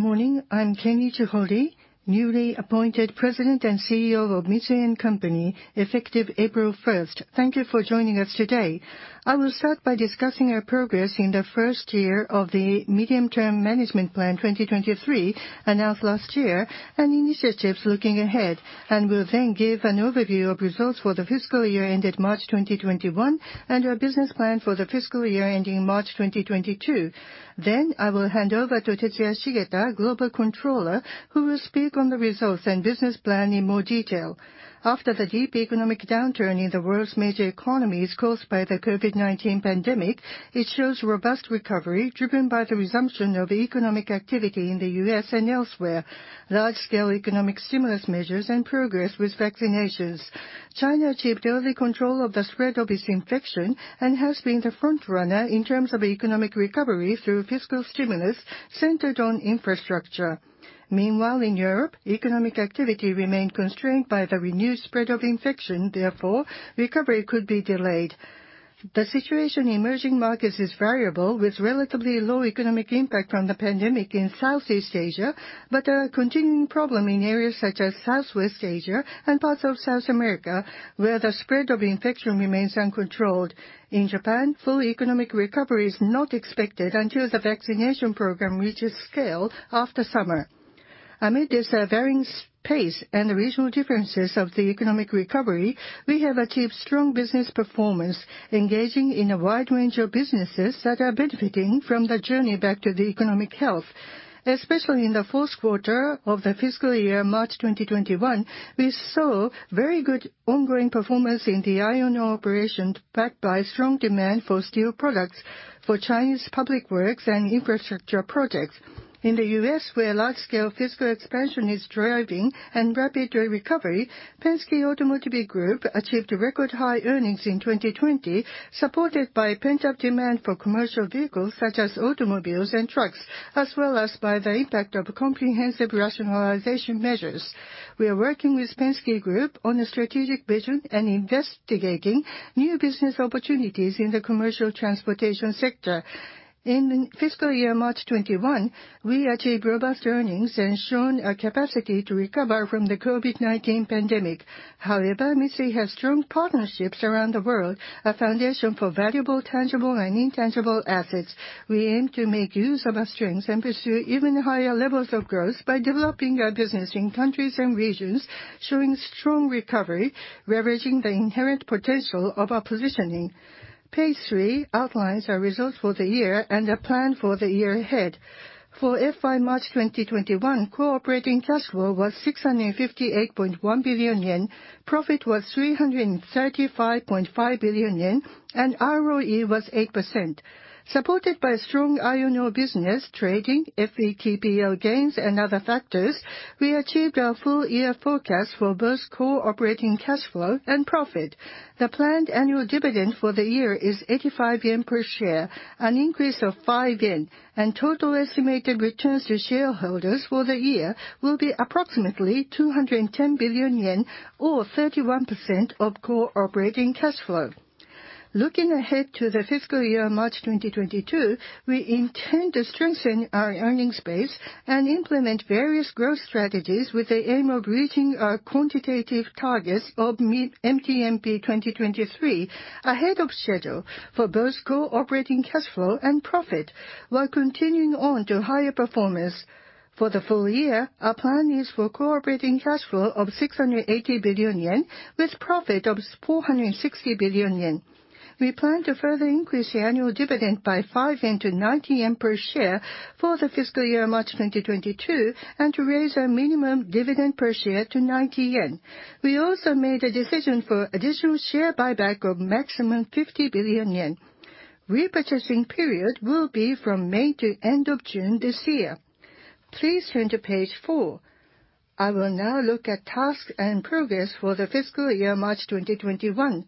Good morning. I'm Kenichi Hori, newly appointed President and CEO of Mitsui and Company effective April 1st. Thank you for joining us today. I will start by discussing our progress in the first year of the Medium-Term Management Plan 2023, announced last year, and initiatives looking ahead. Will then give an overview of results for the fiscal year March 2021, and our business plan for the fiscal year ending March 2022. Then I will hand over to Tetsuya Shigeta, Global Controller, who will speak on the results and business plan in more detail. After the deep economic downturn in the world's major economies caused by the COVID-19 pandemic, it shows robust recovery, driven by the resumption of economic activity in the U.S. and elsewhere, large-scale economic stimulus measures, and progress with vaccinations. China achieved early control of the spread of this infection and has been the frontrunner in terms of economic recovery through fiscal stimulus centered on infrastructure. Meanwhile in Europe, economic activity remained constrained by the renewed spread of infection. Therefore, recovery could be delayed. The situation in emerging markets is variable, with relatively low economic impact from the pandemic in Southeast Asia, but a continuing problem in areas such as Southwest Asia and parts of South America, where the spread of infection remains uncontrolled. In Japan, full economic recovery is not expected until the vaccination program reaches scale after summer. Amid this varying pace and regional differences of the economic recovery, we have achieved strong business performance, engaging in a wide range of businesses that are benefiting from the journey back to the economic health. Especially in the fourth quarter of the fiscal year March 2021, we saw very good ongoing performance in the iron ore operation, backed by strong demand for steel products for Chinese public works and infrastructure projects. In the U.S., where large-scale fiscal expansion is driving and rapid recovery, Penske Automotive Group achieved record high earnings in 2020, supported by pent-up demand for commercial vehicles such as automobiles and trucks, as well as by the impact of comprehensive rationalization measures. We are working with Penske Group on a strategic vision and investigating new business opportunities in the commercial transportation sector. In the fiscal year March 2021, we achieved robust earnings and shown a capacity to recover from the COVID-19 pandemic. However, Mitsui has strong partnerships around the world, a foundation for valuable tangible and intangible assets. We aim to make use of our strengths and pursue even higher levels of growth by developing our business in countries and regions showing strong recovery, leveraging the inherent potential of our positioning. Page three outlines our results for the year and our plan for the year ahead. For FY March 2021, core operating cash flow was 658.1 billion yen, profit was 335.5 billion yen, and ROE was 8%. Supported by strong iron ore business, trading, FVTPL gains, and other factors, we achieved our full year forecast for both core operating cash flow and profit. The planned annual dividend for the year is 85 yen per share, an increase of 5 yen, and total estimated returns to shareholders for the year will be approximately 210 billion yen, or 31% of core operating cash flow. Looking ahead to the fiscal year March 2022, we intend to strengthen our earnings base and implement various growth strategies with the aim of reaching our quantitative targets of MTMP 2023 ahead of schedule for both core operating cash flow and profit, while continuing on to higher performance. For the full year, our plan is for core operating cash flow of 680 billion yen, with profit of 460 billion yen. We plan to further increase the annual dividend by 5 yen to 90 yen per share for the fiscal year March 2022, and to raise our minimum dividend per share to 90 yen. We also made a decision for additional share buyback of maximum 50 billion yen. Repurchasing period will be from May to end of June this year. Please turn to page four. I will now look at tasks and progress for the fiscal year March 2021.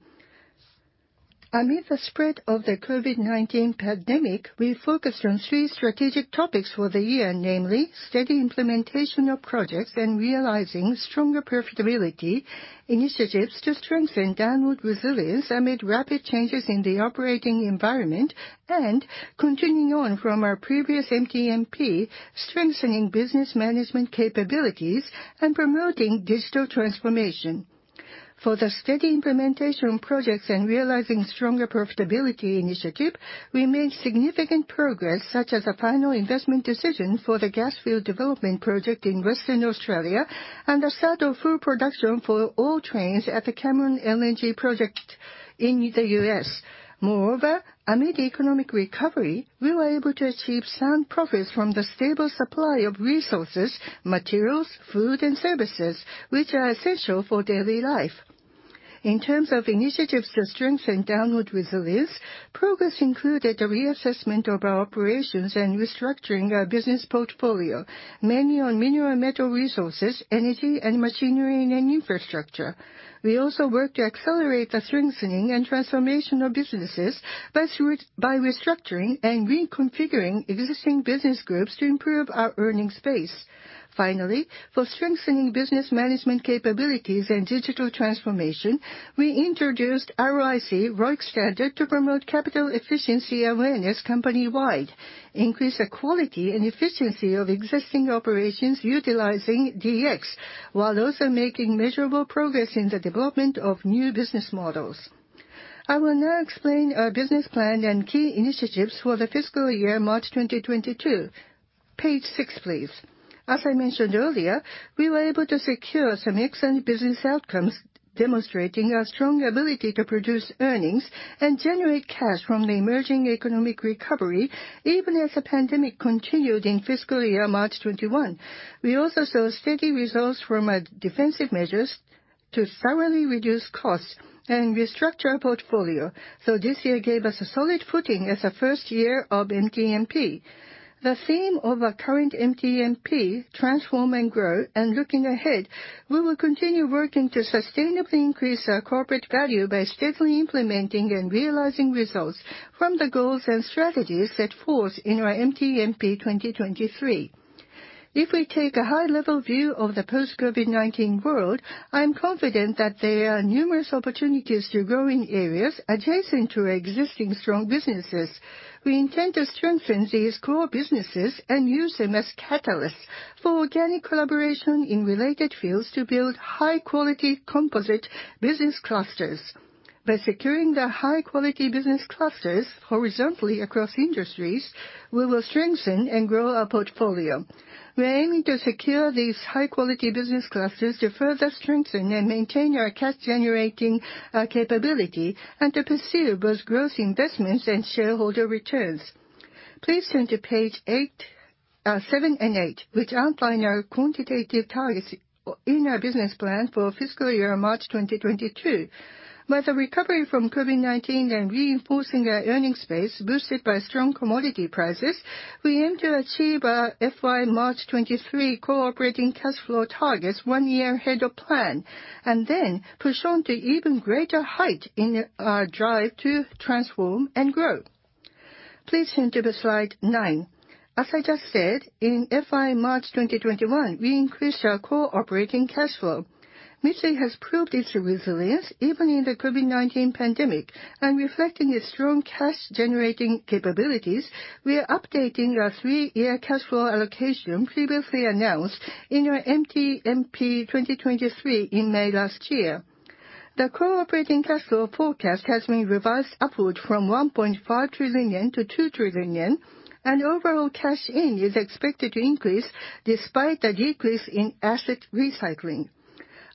Amid the spread of the COVID-19 pandemic, we focused on three strategic topics for the year, namely steady implementation of projects and realizing stronger profitability, initiatives to strengthen downward resilience amid rapid changes in the operating environment, and continuing on from our previous MTMP, strengthening business management capabilities and promoting digital transformation. For the steady implementation projects and realizing stronger profitability initiative, we made significant progress such as a final investment decision for the gas field development project in Western Australia and the start of full production for all trains at the Cameron LNG project in the U.S. Moreover, amid economic recovery, we were able to achieve sound profits from the stable supply of resources, materials, food, and services, which are essential for daily life. In terms of initiatives to strengthen downward resilience, progress included a reassessment of our operations and restructuring our business portfolio, mainly on Mineral, Metal Resources, Energy, and Machinery and Infrastructure. We also worked to accelerate the strengthening and transformation of businesses by restructuring and reconfiguring existing business groups to improve our earning space. Finally, for strengthening business management capabilities and digital transformation, we introduced ROIC, ROI standard, to promote capital efficiency awareness company-wide, increase the quality and efficiency of existing operations utilizing DX, while also making measurable progress in the development of new business models. I will now explain our business plan and key initiatives for the fiscal year March 2022. Page six, please. As I mentioned earlier, we were able to secure some excellent business outcomes, demonstrating our strong ability to produce earnings and generate cash from the emerging economic recovery, even as the pandemic continued in fiscal year March 2021. We also saw steady results from our defensive measures to thoroughly reduce costs and restructure our portfolio. This year gave us a solid footing as a first year of MTMP. The theme of our current MTMP, transform and grow, and looking ahead, we will continue working to sustainably increase our corporate value by steadily implementing and realizing results from the goals and strategies set forth in our MTMP 2023. If we take a high-level view of the post-COVID-19 world, I'm confident that there are numerous opportunities to grow in areas adjacent to our existing strong businesses. We intend to strengthen these core businesses and use them as catalysts for organic collaboration in related fields to build high-quality composite business clusters. By securing the high-quality business clusters horizontally across industries, we will strengthen and grow our portfolio. We are aiming to secure these high-quality business clusters to further strengthen and maintain our cash-generating capability, and to pursue both growth investments and shareholder returns. Please turn to page seven and eight, which outline our quantitative targets in our business plan for fiscal year March 2022. With a recovery from COVID-19 and reinforcing our earnings base boosted by strong commodity prices, we aim to achieve our FY March 2023 core operating cash flow targets one year ahead of plan and then push on to even greater height in our drive to transform and grow. Please turn to slide nine. As I just said, in FY March 2021, we increased our core operating cash flow. Mitsui has proved its resilience even in the COVID-19 pandemic. Reflecting its strong cash-generating capabilities, we are updating our three-year cash flow allocation previously announced in our MTMP 2023 in May last year. The core operating cash flow forecast has been revised upward from 1.5 trillion yen to 2 trillion yen, and overall cash in is expected to increase despite the decrease in asset recycling.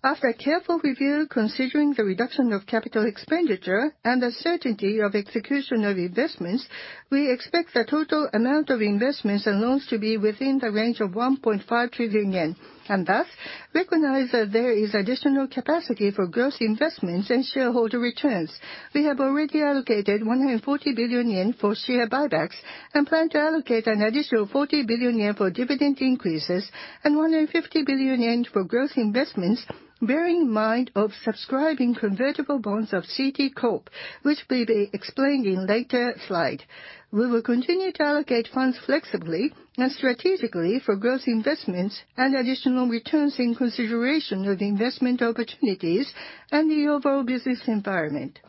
After a careful review considering the reduction of capital expenditure and the certainty of execution of investments, we expect the total amount of investments and loans to be within the range of 1.5 trillion yen, and thus recognize that there is additional capacity for growth investments and shareholder returns. We have already allocated 140 billion yen for share buybacks, and plan to allocate an additional 40 billion yen for dividend increases, and 150 billion yen for growth investments, bearing in mind of subscribing convertible bonds of CT Corp, which will be explained in later slide. We will continue to allocate funds flexibly and strategically for growth investments and additional returns in consideration of investment opportunities and the overall business environment.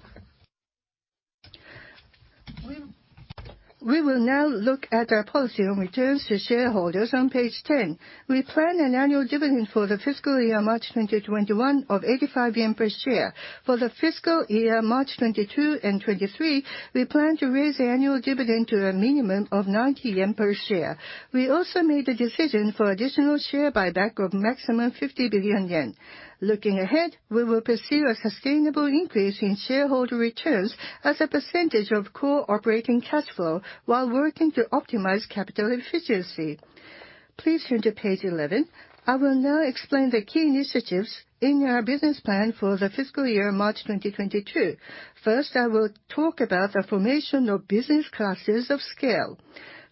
We will now look at our policy on returns to shareholders on page 10. We plan an annual dividend for the fiscal year March 2021 of 85 yen per share. For the fiscal year March 2022 and 2023, we plan to raise the annual dividend to a minimum of 90 yen per share. We also made the decision for additional share buyback of maximum 50 billion yen. Looking ahead, we will pursue a sustainable increase in shareholder returns as a percentage of core operating cash flow while working to optimize capital efficiency. Please turn to page 11. I will now explain the key initiatives in our business plan for the fiscal year March 2022. First, I will talk about the formation of business clusters of scale.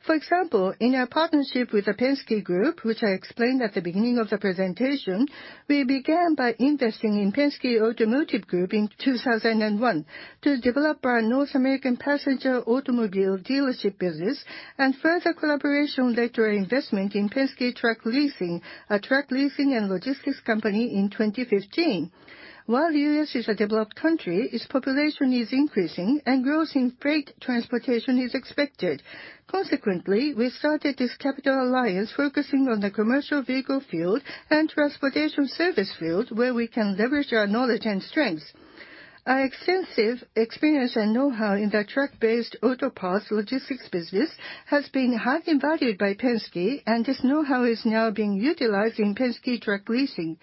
For example, in our partnership with the Penske Group, which I explained at the beginning of the presentation, we began by investing in Penske Automotive Group in 2001 to develop our North American passenger automobile dealership business, and further collaboration led to our investment in Penske Truck Leasing, a truck leasing and logistics company, in 2015. While the U.S. is a developed country, its population is increasing and growth in freight transportation is expected. Consequently, we started this capital alliance focusing on the commercial vehicle field and transportation service field where we can leverage our knowledge and strengths. Our extensive experience and know-how in the truck-based auto parts logistics business has been highly valued by Penske, and this know-how is now being utilized in Penske Truck Leasing.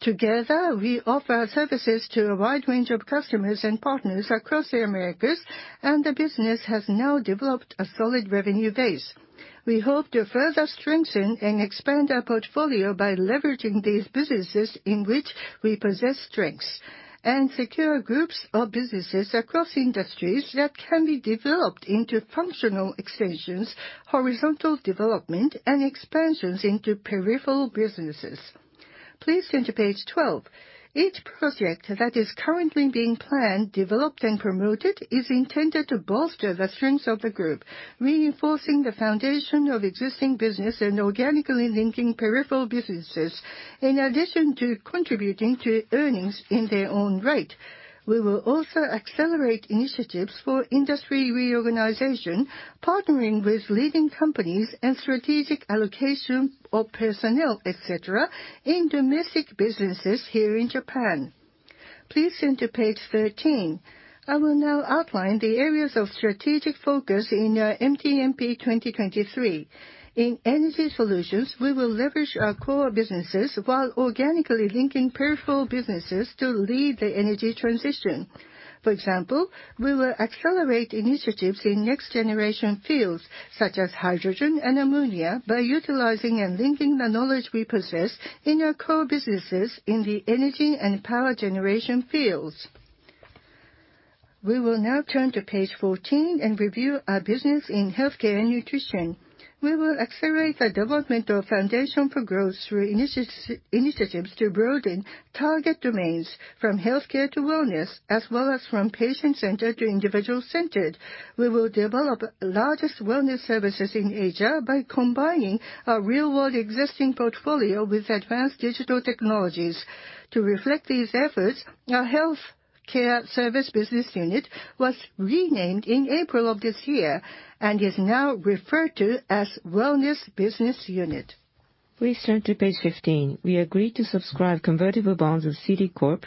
Together, we offer our services to a wide range of customers and partners across the Americas, and the business has now developed a solid revenue base. We hope to further strengthen and expand our portfolio by leveraging these businesses in which we possess strengths, and secure groups of businesses across industries that can be developed into functional extensions, horizontal development, and expansions into peripheral businesses. Please turn to page 12. Each project that is currently being planned, developed, and promoted is intended to bolster the strengths of the group, reinforcing the foundation of existing business, and organically linking peripheral businesses, in addition to contributing to earnings in their own right. We will also accelerate initiatives for industry reorganization, partnering with leading companies in strategic allocation of personnel, et cetera, in domestic businesses here in Japan. Please turn to page 13. I will now outline the areas of strategic focus in our MTMP 2023. In Energy Solutions, we will leverage our core businesses while organically linking peripheral businesses to lead the energy transition. For example, we will accelerate initiatives in next-generation fields, such as hydrogen and ammonia, by utilizing and linking the knowledge we possess in our core businesses in the energy and power generation fields. We will now turn to page 14 and review our business in Healthcare and Nutrition. We will accelerate the development of foundation for growth through initiatives to broaden target domains from Healthcare to Wellness, as well as from patient-centered to individual-centered. We will develop largest wellness services in Asia by combining our real-world existing portfolio with advanced digital technologies. To reflect these efforts, our Healthcare Service Business Unit was renamed in April of this year, and is now referred to as Wellness Business Unit. Please turn to page 15. We agreed to subscribe convertible bonds of CT Corp,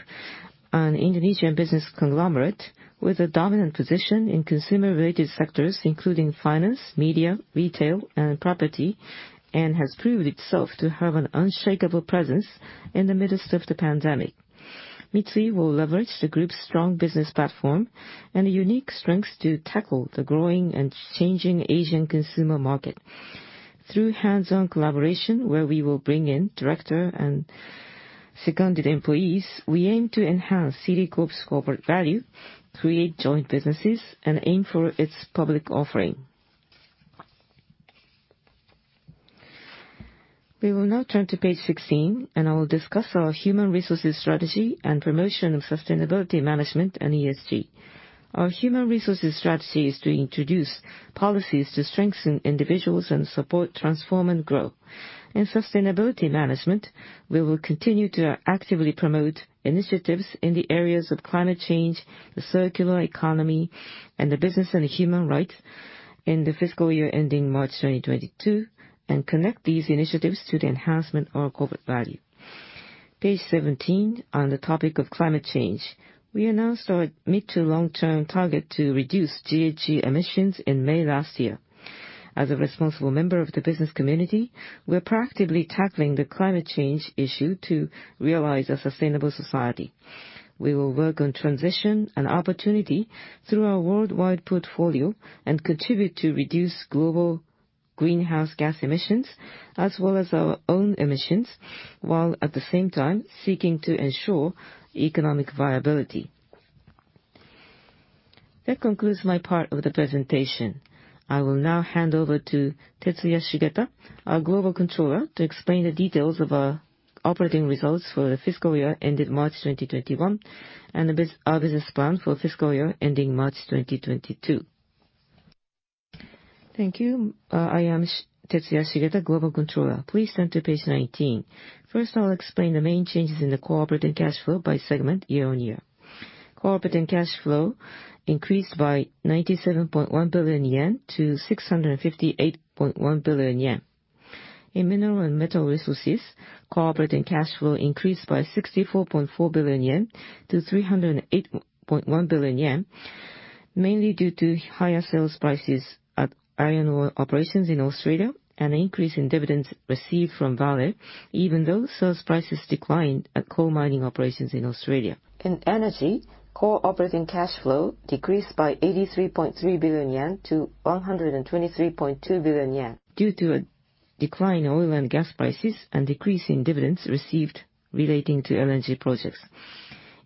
an Indonesian business conglomerate with a dominant position in consumer-related sectors, including finance, media, retail, and property, and has proved itself to have an unshakable presence in the midst of the pandemic. Mitsui will leverage the group's strong business platform and unique strengths to tackle the growing and changing Asian consumer market. Through hands-on collaboration, where we will bring in director and seconded employees, we aim to enhance CT Corp's corporate value, create joint businesses, and aim for its public offering. We will now turn to page 16, and I will discuss our human resources strategy and promotion of sustainability management and ESG. Our human resources strategy is to introduce policies to strengthen individuals and support transform and growth. In sustainability management, we will continue to actively promote initiatives in the areas of climate change, the circular economy, and the business and human rights in the fiscal year ending March 2022, and connect these initiatives to the enhancement of our corporate value. Page 17. On the topic of climate change, we announced our mid to long-term target to reduce GHG emissions in May 2021. As a responsible member of the business community, we're proactively tackling the climate change issue to realize a sustainable society. We will work on transition and opportunity through our worldwide portfolio and contribute to reduce global greenhouse gas emissions, as well as our own emissions, while at the same time seeking to ensure economic viability. That concludes my part of the presentation. I will now hand over to Tetsuya Shigeta, our Global Controller, to explain the details of our operating results for the fiscal year ending March 2021, and our business plan for fiscal year ending March 2022. Thank you. I am Tetsuya Shigeta, Global Controller. Please turn to page 19. First, I'll explain the main changes in the core operating cash flow by segment year-on-year. Core operating cash flow increased by 97.1 billion yen to 658.1 billion yen. In Mineral and Metal Resources, core operating cash flow increased by 64.4 billion yen to 308.1 billion yen, mainly due to higher sales prices at iron ore operations in Australia and an increase in dividends received from Vale, even though sales prices declined at coal mining operations in Australia. In Energy, core operating cash flow decreased by 83.3 billion yen to 123.2 billion yen due to a decline in oil and gas prices and decrease in dividends received relating to LNG projects.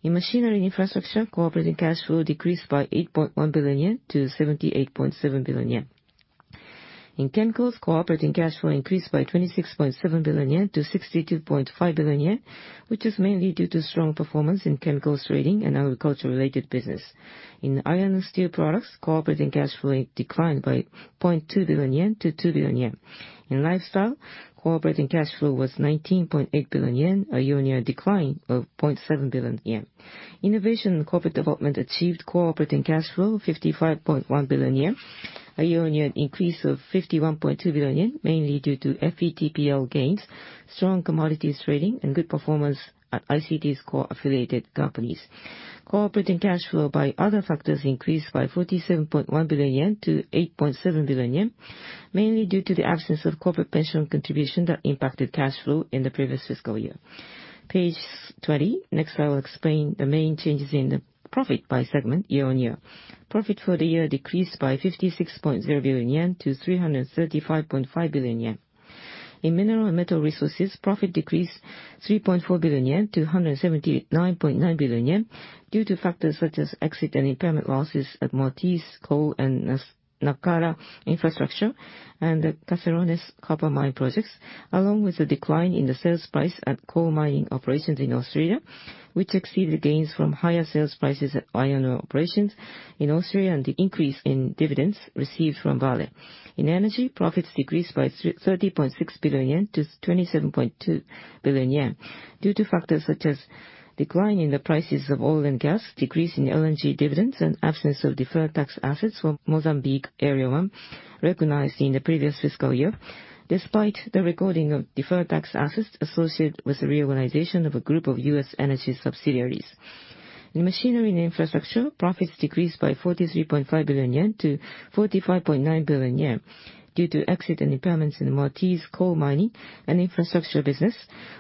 In Machinery and Infrastructure, core operating cash flow decreased by 8.1 billion yen to 78.7 billion yen. In Chemicals, core operating cash flow increased by 26.7 billion yen to 62.5 billion yen, which is mainly due to strong performance in chemicals trading and agriculture-related business. In Iron and Steel Products, core operating cash flow declined by 0.2 billion yen to 2 billion yen. In Lifestyle, core operating cash flow was 19.8 billion yen, a year-on-year decline of 0.7 billion yen. Innovation and Corporate Development achieved core operating cash flow of 55.1 billion yen, a year-on-year increase of 51.2 billion yen, mainly due to FVTPL gains, strong commodities trading, and good performance at ICT's core affiliated companies. Core operating cash flow by other factors increased by 47.1 billion yen to 8.7 billion yen, mainly due to the absence of corporate pension contribution that impacted cash flow in the previous fiscal year. Page 20. I will explain the main changes in the profit by segment year-on-year. Profit for the year decreased by 56.0 billion yen to 335.5 billion yen. In Mineral and Metal Resources, profit decreased 3.4 billion yen to 179.9 billion yen due to factors such as exit and impairment losses at Moatize Coal and Nacala Infrastructure and the Caserones copper mine projects, along with the decline in the sales price at coal mining operations in Australia, which exceeded gains from higher sales prices at iron ore operations in Australia and the increase in dividends received from Vale. In Energy, profits decreased by 30.6 billion yen to 27.2 billion yen due to factors such as decline in the prices of oil and gas, decrease in LNG dividends, and absence of deferred tax assets for Mozambique Area 1 recognized in the previous fiscal year, despite the recording of deferred tax assets associated with the reorganization of a group of U.S. energy subsidiaries. In Machinery and Infrastructure, profits decreased by 43.5 billion yen to 45.9 billion yen due to exit and impairments in Moatize coal mining and infrastructure business,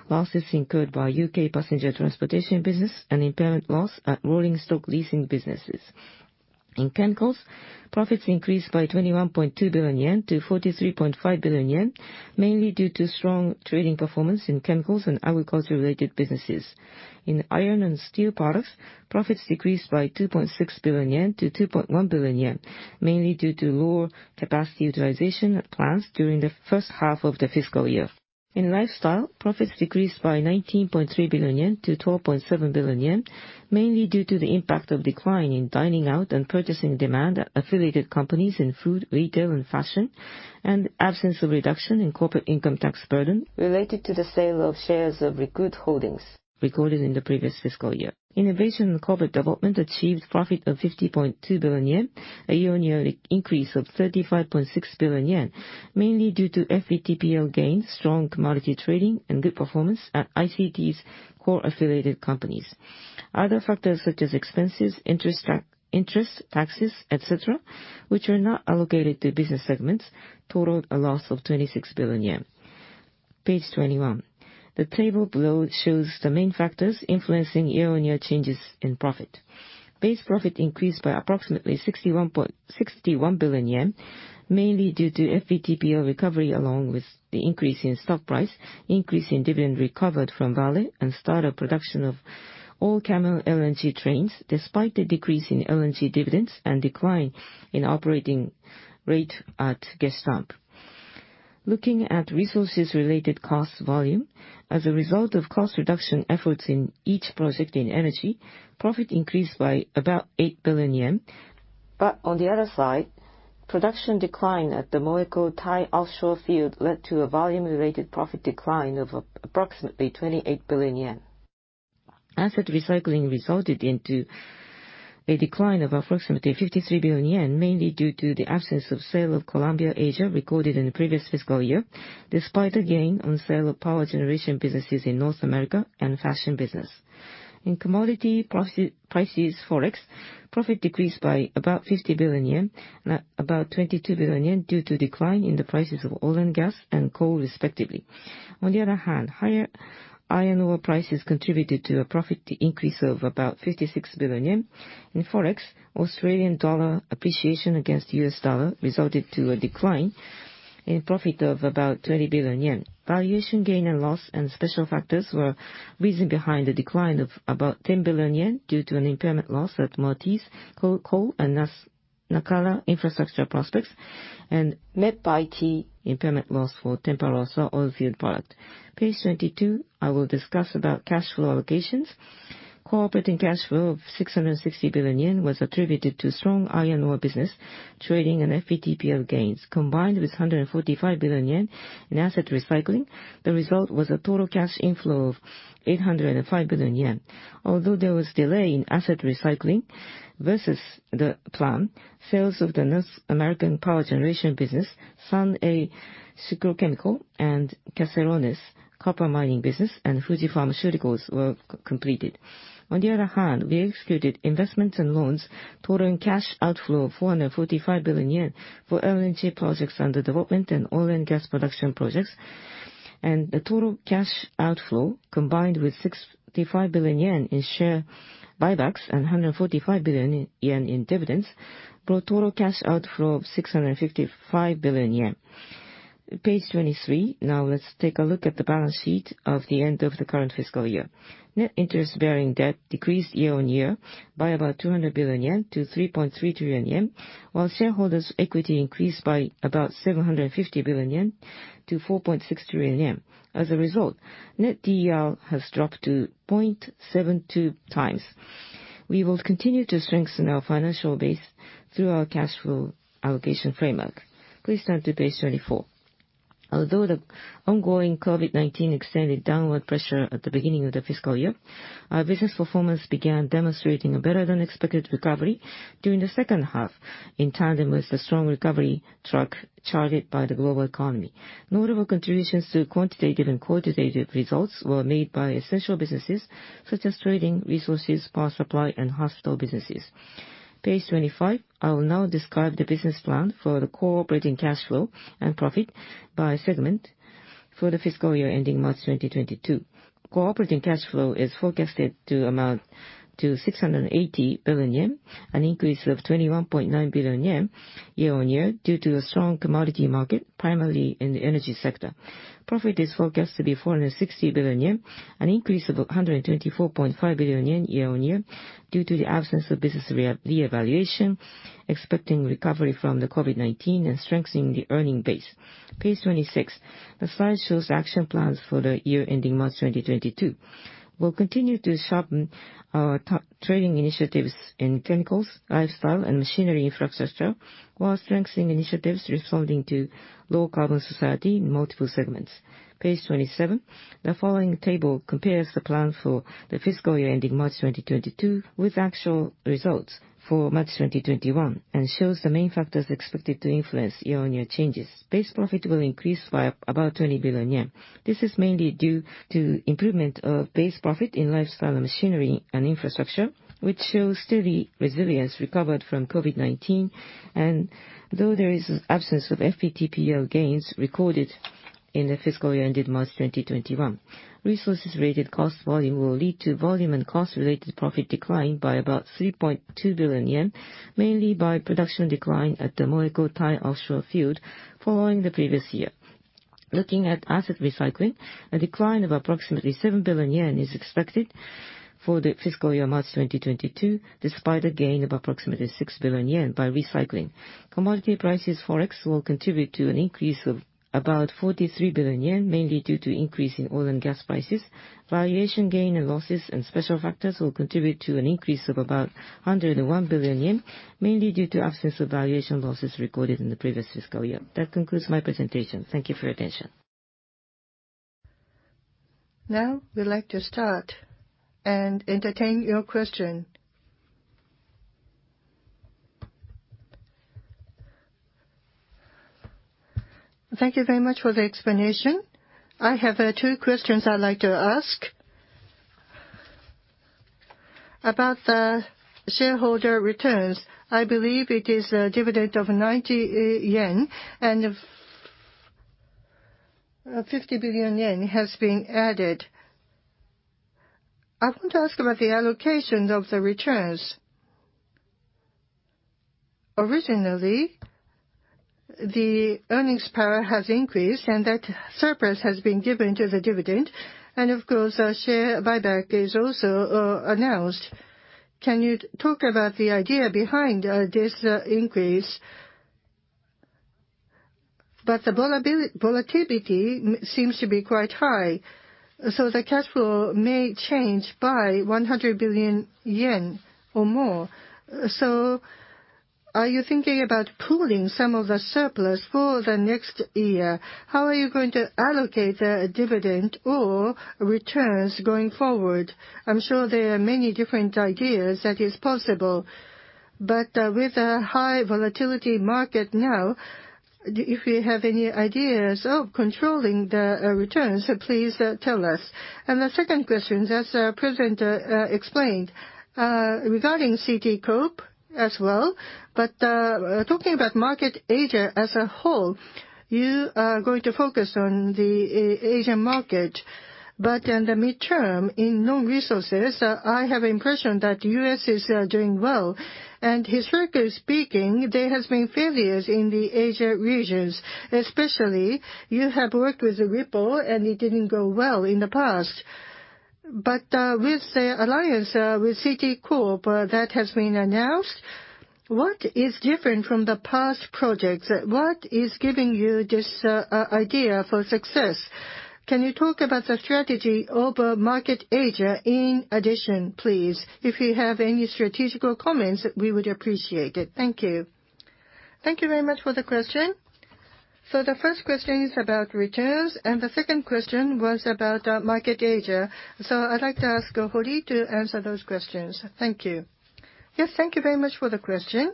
losses incurred by U.K. passenger transportation business, and impairment loss at rolling stock leasing businesses. In Chemicals, profits increased by 21.2 billion yen to 43.5 billion yen, mainly due to strong trading performance in chemicals and agriculture-related businesses. In Iron and Steel Products, profits decreased by 2.6 billion yen to 2.1 billion yen, mainly due to lower capacity utilization at plants during the first half of the fiscal year. In Lifestyle, profits decreased by 19.3 billion yen to 12.7 billion yen, mainly due to the impact of decline in dining out and purchasing demand at affiliated companies in food, retail, and fashion, and absence of reduction in corporate income tax burden related to the sale of shares of Recruit Holdings recorded in the previous fiscal year. Innovation and Corporate Development achieved profit of 50.2 billion yen, a year-on-year increase of 35.6 billion yen, mainly due to FVTPL gains, strong commodity trading, and good performance at ICT's core affiliated companies. Other factors such as expenses, interest, taxes, et cetera, which are not allocated to business segments, totaled a loss of 26 billion yen. Page 21. The table below shows the main factors influencing year-on-year changes in profit. Base profit increased by approximately 61 billion yen, mainly due to FVTPL recovery along with the increase in stock price, increase in dividend recovered from Vale, and start of production of all Cameron LNG trains, despite the decrease in LNG dividends and decline in operating rate at Gestamp. Looking at resources related costs volume, as a result of cost reduction efforts in each project in energy, profit increased by about 8 billion yen. On the other side, production decline at the MOECO Thai offshore field led to a volume-related profit decline of approximately 28 billion yen. Asset recycling resulted into a decline of approximately 53 billion yen, mainly due to the absence of sale of Columbia Asia recorded in the previous fiscal year, despite a gain on sale of power generation businesses in North America and Fashion business. In commodity prices forex, profit decreased by about 50 billion yen, about 22 billion yen due to decline in the prices of oil and gas and coal, respectively. On the other hand, higher iron ore prices contributed to a profit increase of about 56 billion yen. In forex, Australian dollar appreciation against U.S. dollar resulted to a decline in profit of about 20 billion yen. Valuation gain and loss and special factors were reason behind the decline of about 10 billion yen due to an impairment loss at Moatize Coal and Nacala infrastructure projects and impairment loss for Tempa Rossa oil field project. Page 22, I will discuss about cash flow allocations. Core operating cash flow of 660 billion yen was attributed to strong iron ore business trading and FVTPL gains. Combined with 145 billion yen in asset recycling, the result was a total cash inflow of 805 billion yen. Although there was delay in asset recycling versus the plan, sales of the North American power generation business, San-Ei Sucrochemical, and Caserones copper mining business, and Fuji Pharmaceuticals were completed. On the other hand, we executed investments and loans totaling cash outflow of 445 billion yen for LNG projects under development and oil and gas production projects. The total cash outflow, combined with 65 billion yen in share buybacks and 145 billion yen in dividends, brought total cash outflow of 655 billion yen. Page 23. Now let's take a look at the balance sheet of the end of the current fiscal year. Net interest-bearing debt decreased year-on-year by about 200 billion yen to 3.3 trillion yen, while shareholders' equity increased by about 750 billion yen to 4.6 trillion yen. As a result, net DER has dropped to 0.72 times. We will continue to strengthen our financial base through our cash flow allocation framework. Please turn to page 24. Although the ongoing COVID-19 extended downward pressure at the beginning of the fiscal year, our business performance began demonstrating a better-than-expected recovery during the second half in tandem with the strong recovery charted by the global economy. Notable contributions to quantitative and qualitative results were made by essential businesses such as trading, resources, power supply, and hospital businesses. Page 25. I will now describe the business plan for the core operating cash flow and profit by segment for the fiscal year ending March 2022. Core operating cash flow is forecasted to amount to 680 billion yen, an increase of 21.9 billion yen year-on-year, due to a strong commodity market, primarily in the energy sector. Profit is forecast to be 460 billion yen, an increase of 124.5 billion yen year-on-year, due to the absence of business reevaluation, expecting recovery from the COVID-19 and strengthening the earning base. Page 26. The slide shows action plans for the year ending March 2022. We'll continue to sharpen our trading initiatives in Chemicals, Lifestyle, and Machinery Infrastructure, while strengthening initiatives responding to low-carbon society in multiple segments. Page 27. The following table compares the plan for the fiscal year ending March 2022 with actual results for March 2021, and shows the main factors expected to influence year-on-year changes. Base profit will increase by about 20 billion yen. This is mainly due to improvement of base profit in Lifestyle and Machinery and Infrastructure, which shows steady resilience recovered from COVID-19. Though there is absence of FVTPL gains recorded in the fiscal year ending March 2021. Resources related cost volume will lead to volume and cost-related profit decline by about 3.2 billion yen, mainly by production decline at the MOECO Thai offshore field following the previous year. Looking at asset recycling, a decline of approximately 7 billion yen is expected for the fiscal year March 2022, despite a gain of approximately 6 billion yen by recycling. Commodity prices forex will contribute to an increase of about 43 billion yen, mainly due to increase in oil and gas prices. Valuation gain and losses and special factors will contribute to an increase of about 101 billion yen, mainly due to absence of valuation losses recorded in the previous fiscal year. That concludes my presentation. Thank you for your attention. Now we'd like to start and entertain your question. Thank you very much for the explanation. I have two questions I'd like to ask. About the shareholder returns. I believe it is a dividend of 90 yen and 50 billion yen has been added. I want to ask about the allocation of the returns. Originally, the earnings power has increased and that surplus has been given to the dividend. Of course, share buyback is also announced. Can you talk about the idea behind this increase? The volatility seems to be quite high, so the cash flow may change by 100 billion yen or more. Are you thinking about pooling some of the surplus for the next year? How are you going to allocate the dividend or returns going forward? I'm sure there are many different ideas that is possible, but with a high volatility market now, if you have any ideas of controlling the returns, please tell us. The second question, as the president explained, regarding CT Corp as well, but talking about Market Asia as a whole, you are going to focus on the Asian market. In the midterm, in non-resources, I have impression that the U.S. is doing well. Historically speaking, there has been failures in the Asia regions. Especially, you have worked with Lippo and it didn't go well in the past. With the alliance with CT Corp that has been announced, what is different from the past projects? What is giving you this idea for success? Can you talk about the strategy over Market Asia in addition, please? If you have any strategic comments, we would appreciate it. Thank you. Thank you very much for the question. The first question is about returns, and the second question was about Market Asia. I'd like to ask Hori to answer those questions. Thank you. Yes, thank you very much for the question.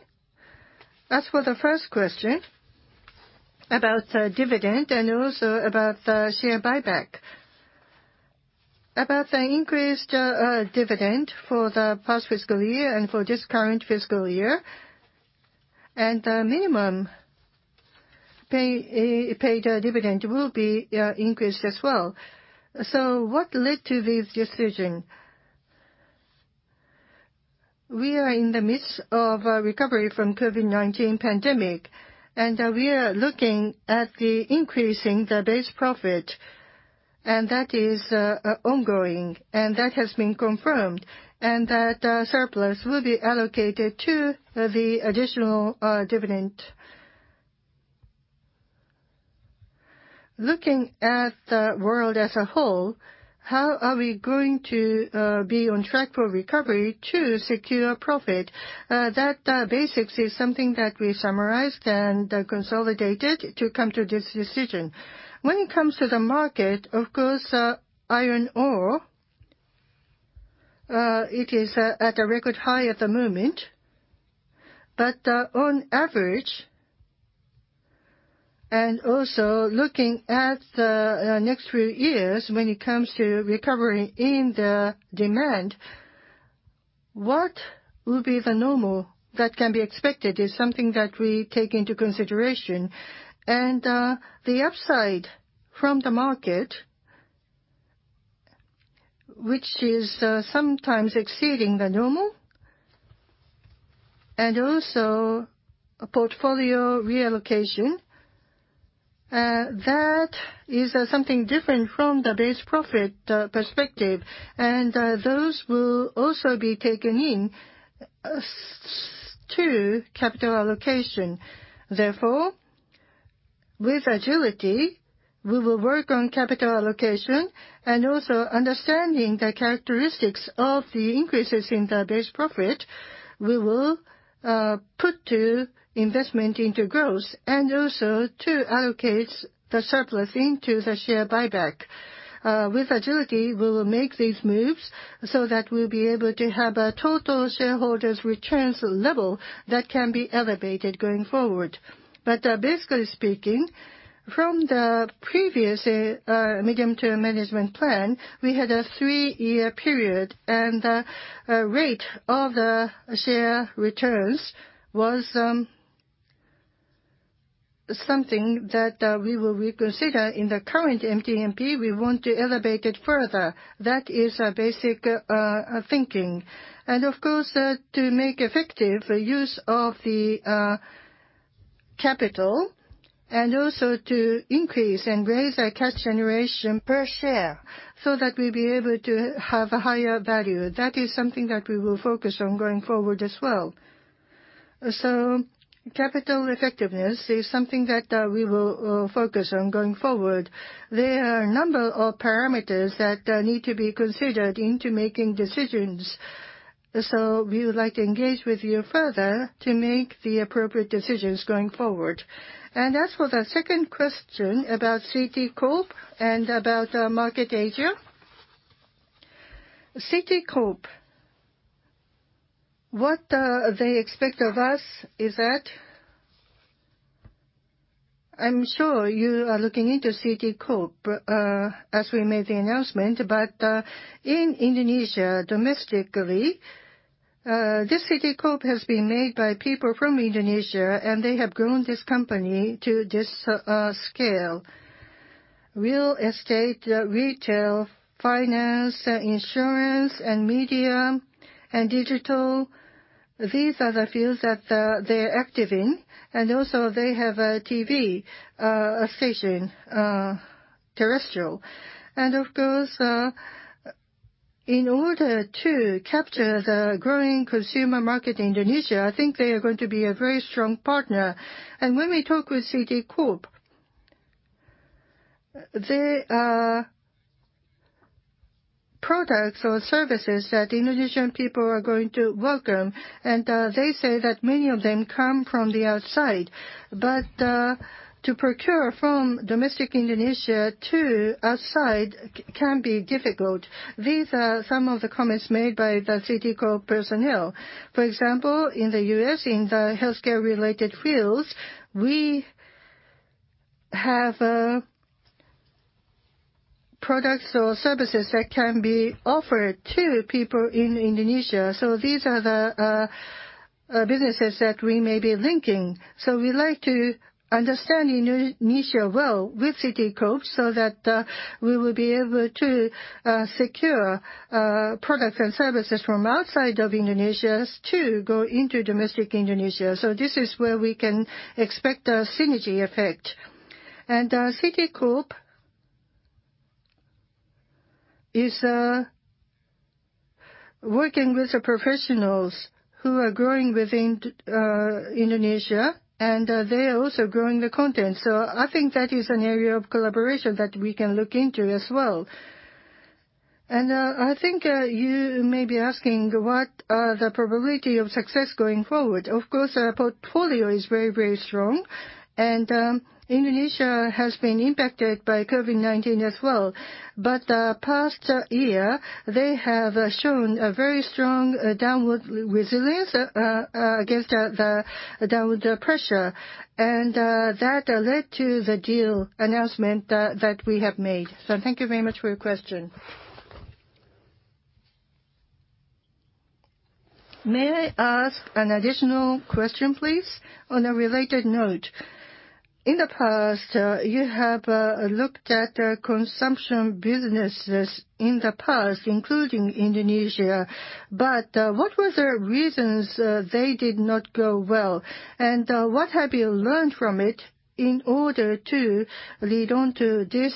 As for the first question about dividend and also about the share buyback. About the increased dividend for the past fiscal year and for this current fiscal year, and the minimum paid dividend will be increased as well. What led to this decision? We are in the midst of a recovery from COVID-19 pandemic, and we are looking at the increasing the base profit, and that is ongoing, and that has been confirmed, and that surplus will be allocated to the additional dividend. Looking at the world as a whole, how are we going to be on track for recovery to secure profit? That basics is something that we summarized and consolidated to come to this decision. When it comes to the market, of course, iron ore, it is at a record high at the moment. On average, and also looking at the next few years, when it comes to recovery in the demand, what will be the normal that can be expected is something that we take into consideration. The upside from the market- which is sometimes exceeding the normal. Also, portfolio reallocation, that is something different from the base profit perspective. Those will also be taken in to capital allocation. Therefore, with agility, we will work on capital allocation and also understanding the characteristics of the increases in the base profit. We will put investment into growth and also to allocate the surplus into the share buyback. With agility, we will make these moves so that we'll be able to have a total shareholders' returns level that can be elevated going forward. Basically speaking, from the previous Medium-Term Management Plan, we had a three-year period, and the rate of the share returns was something that we will reconsider in the current MTMP. We want to elevate it further. That is our basic thinking. Of course, to make effective use of the capital and also to increase and raise our cash generation per share so that we will be able to have a higher value. That is something that we will focus on going forward as well. Capital effectiveness is something that we will focus on going forward. There are a number of parameters that need to be considered into making decisions. We would like to engage with you further to make the appropriate decisions going forward. As for the second question about CT Corp and about Market Asia. CT Corp, what they expect of us is that I am sure you are looking into CT Corp as we made the announcement, but in Indonesia, domestically, this CT Corp has been made by people from Indonesia, and they have grown this company to this scale. Real estate, retail, finance, insurance, and media and digital. These are the fields that they're active in. Also, they have a TV station, terrestrial. Of course, in order to capture the growing consumer market in Indonesia, I think they are going to be a very strong partner. When we talk with CT Corp, the products or services that Indonesian people are going to welcome, and they say that many of them come from the outside. To procure from domestic Indonesia to outside can be difficult. These are some of the comments made by the CT Corp personnel. For example, in the U.S., in the healthcare-related fields, we have products or services that can be offered to people in Indonesia. These are the businesses that we may be linking. We'd like to understand Indonesia well with CT Corp. That we will be able to secure products and services from outside of Indonesia to go into domestic Indonesia. This is where we can expect a synergy effect. CT Corp is working with professionals who are growing within Indonesia, and they are also growing the content. I think that is an area of collaboration that we can look into as well. I think you may be asking, what are the probability of success going forward? Of course, our portfolio is very, very strong, and Indonesia has been impacted by COVID-19 as well. The past year, they have shown a very strong downward resilience against the downward pressure, and that led to the deal announcement that we have made. Thank you very much for your question. May I ask an additional question, please? On a related note, in the past, you have looked at consumption businesses in the past, including Indonesia, but what were the reasons they did not go well, and what have you learned from it in order to lead on to this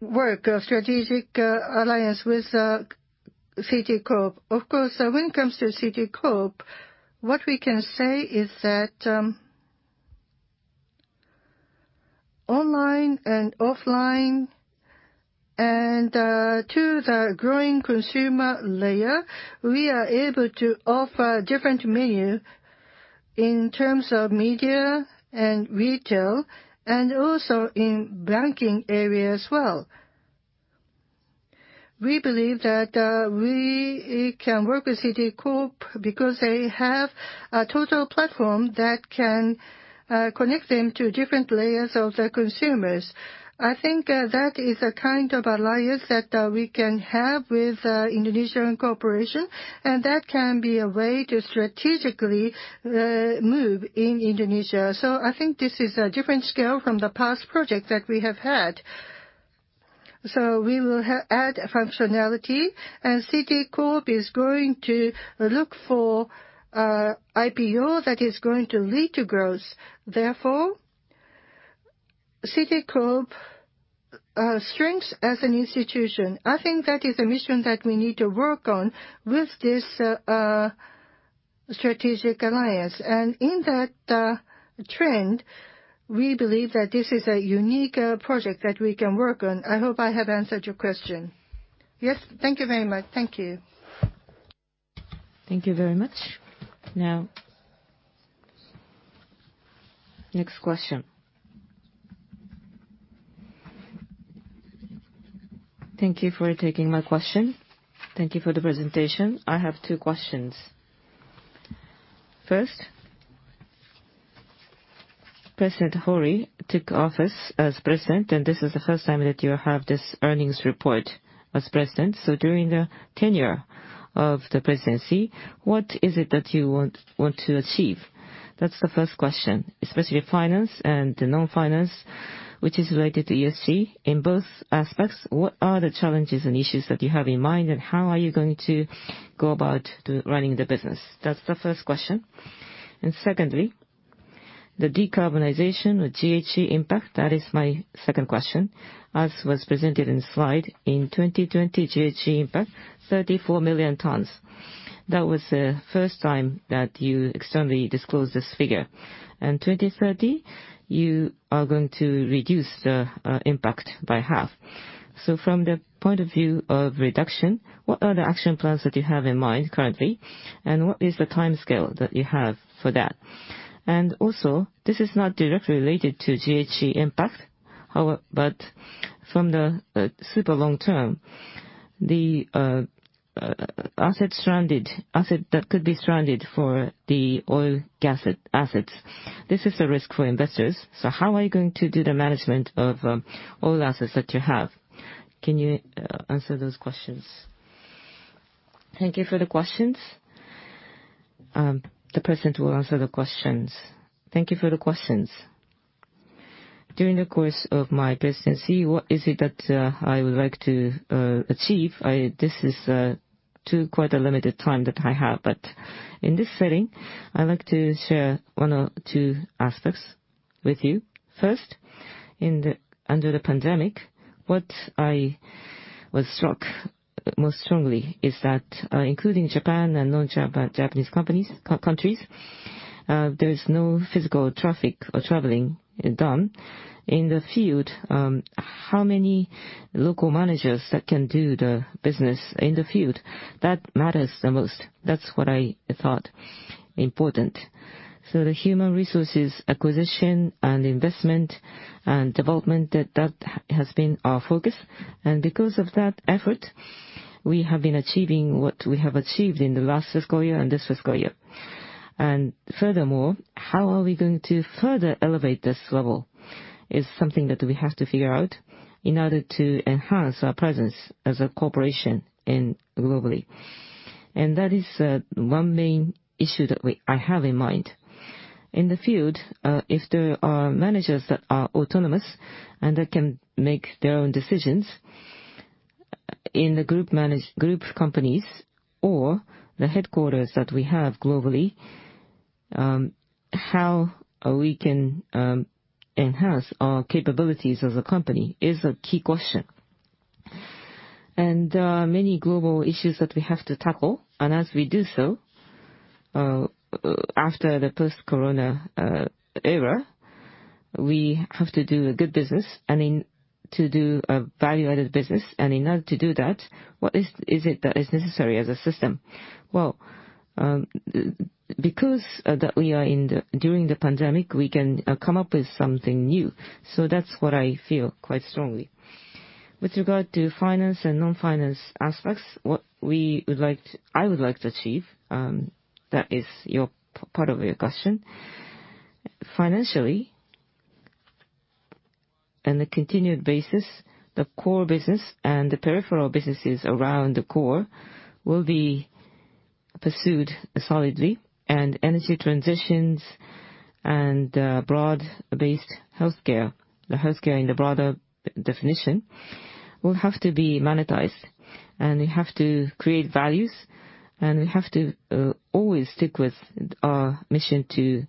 work of strategic alliance with CT Corp? Of course, when it comes to CT Corp, what we can say is that online and offline, and to the growing consumer layer, we are able to offer different menu in terms of media and retail and also in banking area as well. We believe that we can work with CT Corp because they have a total platform that can connect them to different layers of the consumers. I think that is a kind of alliance that we can have with Indonesian corporation, and that can be a way to strategically move in Indonesia. I think this is a different scale from the past projects that we have had. We will add functionality, and CT Corp is going to look for IPO that is going to lead to growth. Therefore, CT Corp strengths as an institution. I think that is a mission that we need to work on with this strategic alliance. In that trend, we believe that this is a unique project that we can work on. I hope I have answered your question. Yes. Thank you very much. Thank you. Thank you very much. Now next question. Thank you for taking my question. Thank you for the presentation. I have two questions. First, President Hori took office as president, and this is the first time that you have this earnings report as president. During the tenure of the presidency, what is it that you want to achieve? That's the first question. Especially finance and the non-finance, which is related to ESG in both aspects, what are the challenges and issues that you have in mind, and how are you going to go about running the business? That's the first question. Secondly, the decarbonization or GHG impact, that is my second question. As was presented in slide, in 2020 GHG impact 34 million tons. That was the first time that you externally disclosed this figure. In 2030, you are going to reduce the impact by half. From the point of view of reduction, what are the action plans that you have in mind currently, and what is the timescale that you have for that? This is not directly related to GHG impact, from the super long term, the asset that could be stranded for the oil gas assets, this is a risk for investors. How are you going to do the management of oil assets that you have? Can you answer those questions? Thank you for the questions. The president will answer the questions. Thank you for the questions. During the course of my presidency, what is it that I would like to achieve? This is to quite a limited time that I have, in this setting, I'd like to share one or two aspects with you. First, under the pandemic, what I was struck most strongly is that including Japan and non-Japanese countries, there is no physical traffic or traveling done. In the field, how many local managers that can do the business in the field, that matters the most. That's what I thought important. The human resources acquisition and investment and development, that has been our focus. Because of that effort, we have been achieving what we have achieved in the last fiscal year and this fiscal year. Furthermore, how are we going to further elevate this level is something that we have to figure out in order to enhance our presence as a corporation and globally. That is one main issue that I have in mind. In the field, if there are managers that are autonomous and that can make their own decisions in the group companies or the headquarters that we have globally, how we can enhance our capabilities as a company is a key question. There are many global issues that we have to tackle, and as we do so after the post-corona era, we have to do a good business and to do a value-added business. In order to do that, what is it that is necessary as a system? Well, because that we are during the pandemic, we can come up with something new. That's what I feel quite strongly. With regard to finance and non-finance aspects, what I would like to achieve, that is part of your question. Financially, on a continued basis, the core business and the peripheral businesses around the core will be pursued solidly and energy transitions and broad-based healthcare. The healthcare in the broader definition will have to be monetized, and we have to create values, and we have to always stick with our mission to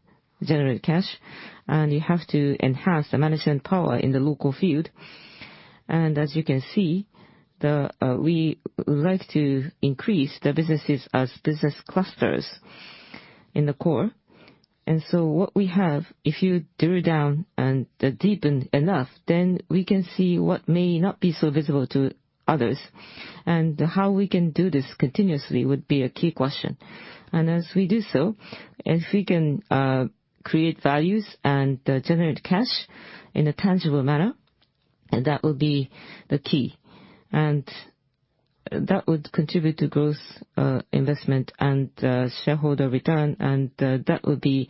generate cash, and we have to enhance the management power in the local field. As you can see, we like to increase the businesses as business clusters in the core. What we have, if you drill down and deepen enough, then we can see what may not be so visible to others. How we can do this continuously would be a key question. As we do so, if we can create values and generate cash in a tangible manner, and that will be the key. That would contribute to growth, investment, and shareholder return, and that would be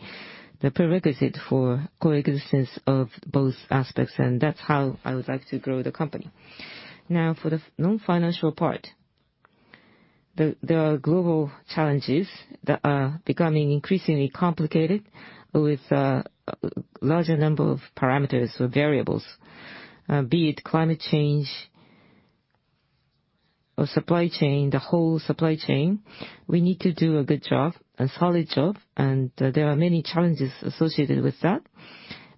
the prerequisite for coexistence of both aspects, and that's how I would like to grow the company. Now, for the non-financial part. The global challenges that are becoming increasingly complicated with a larger number of parameters or variables. Be it climate change or supply chain, the whole supply chain, we need to do a good job, a solid job, and there are many challenges associated with that.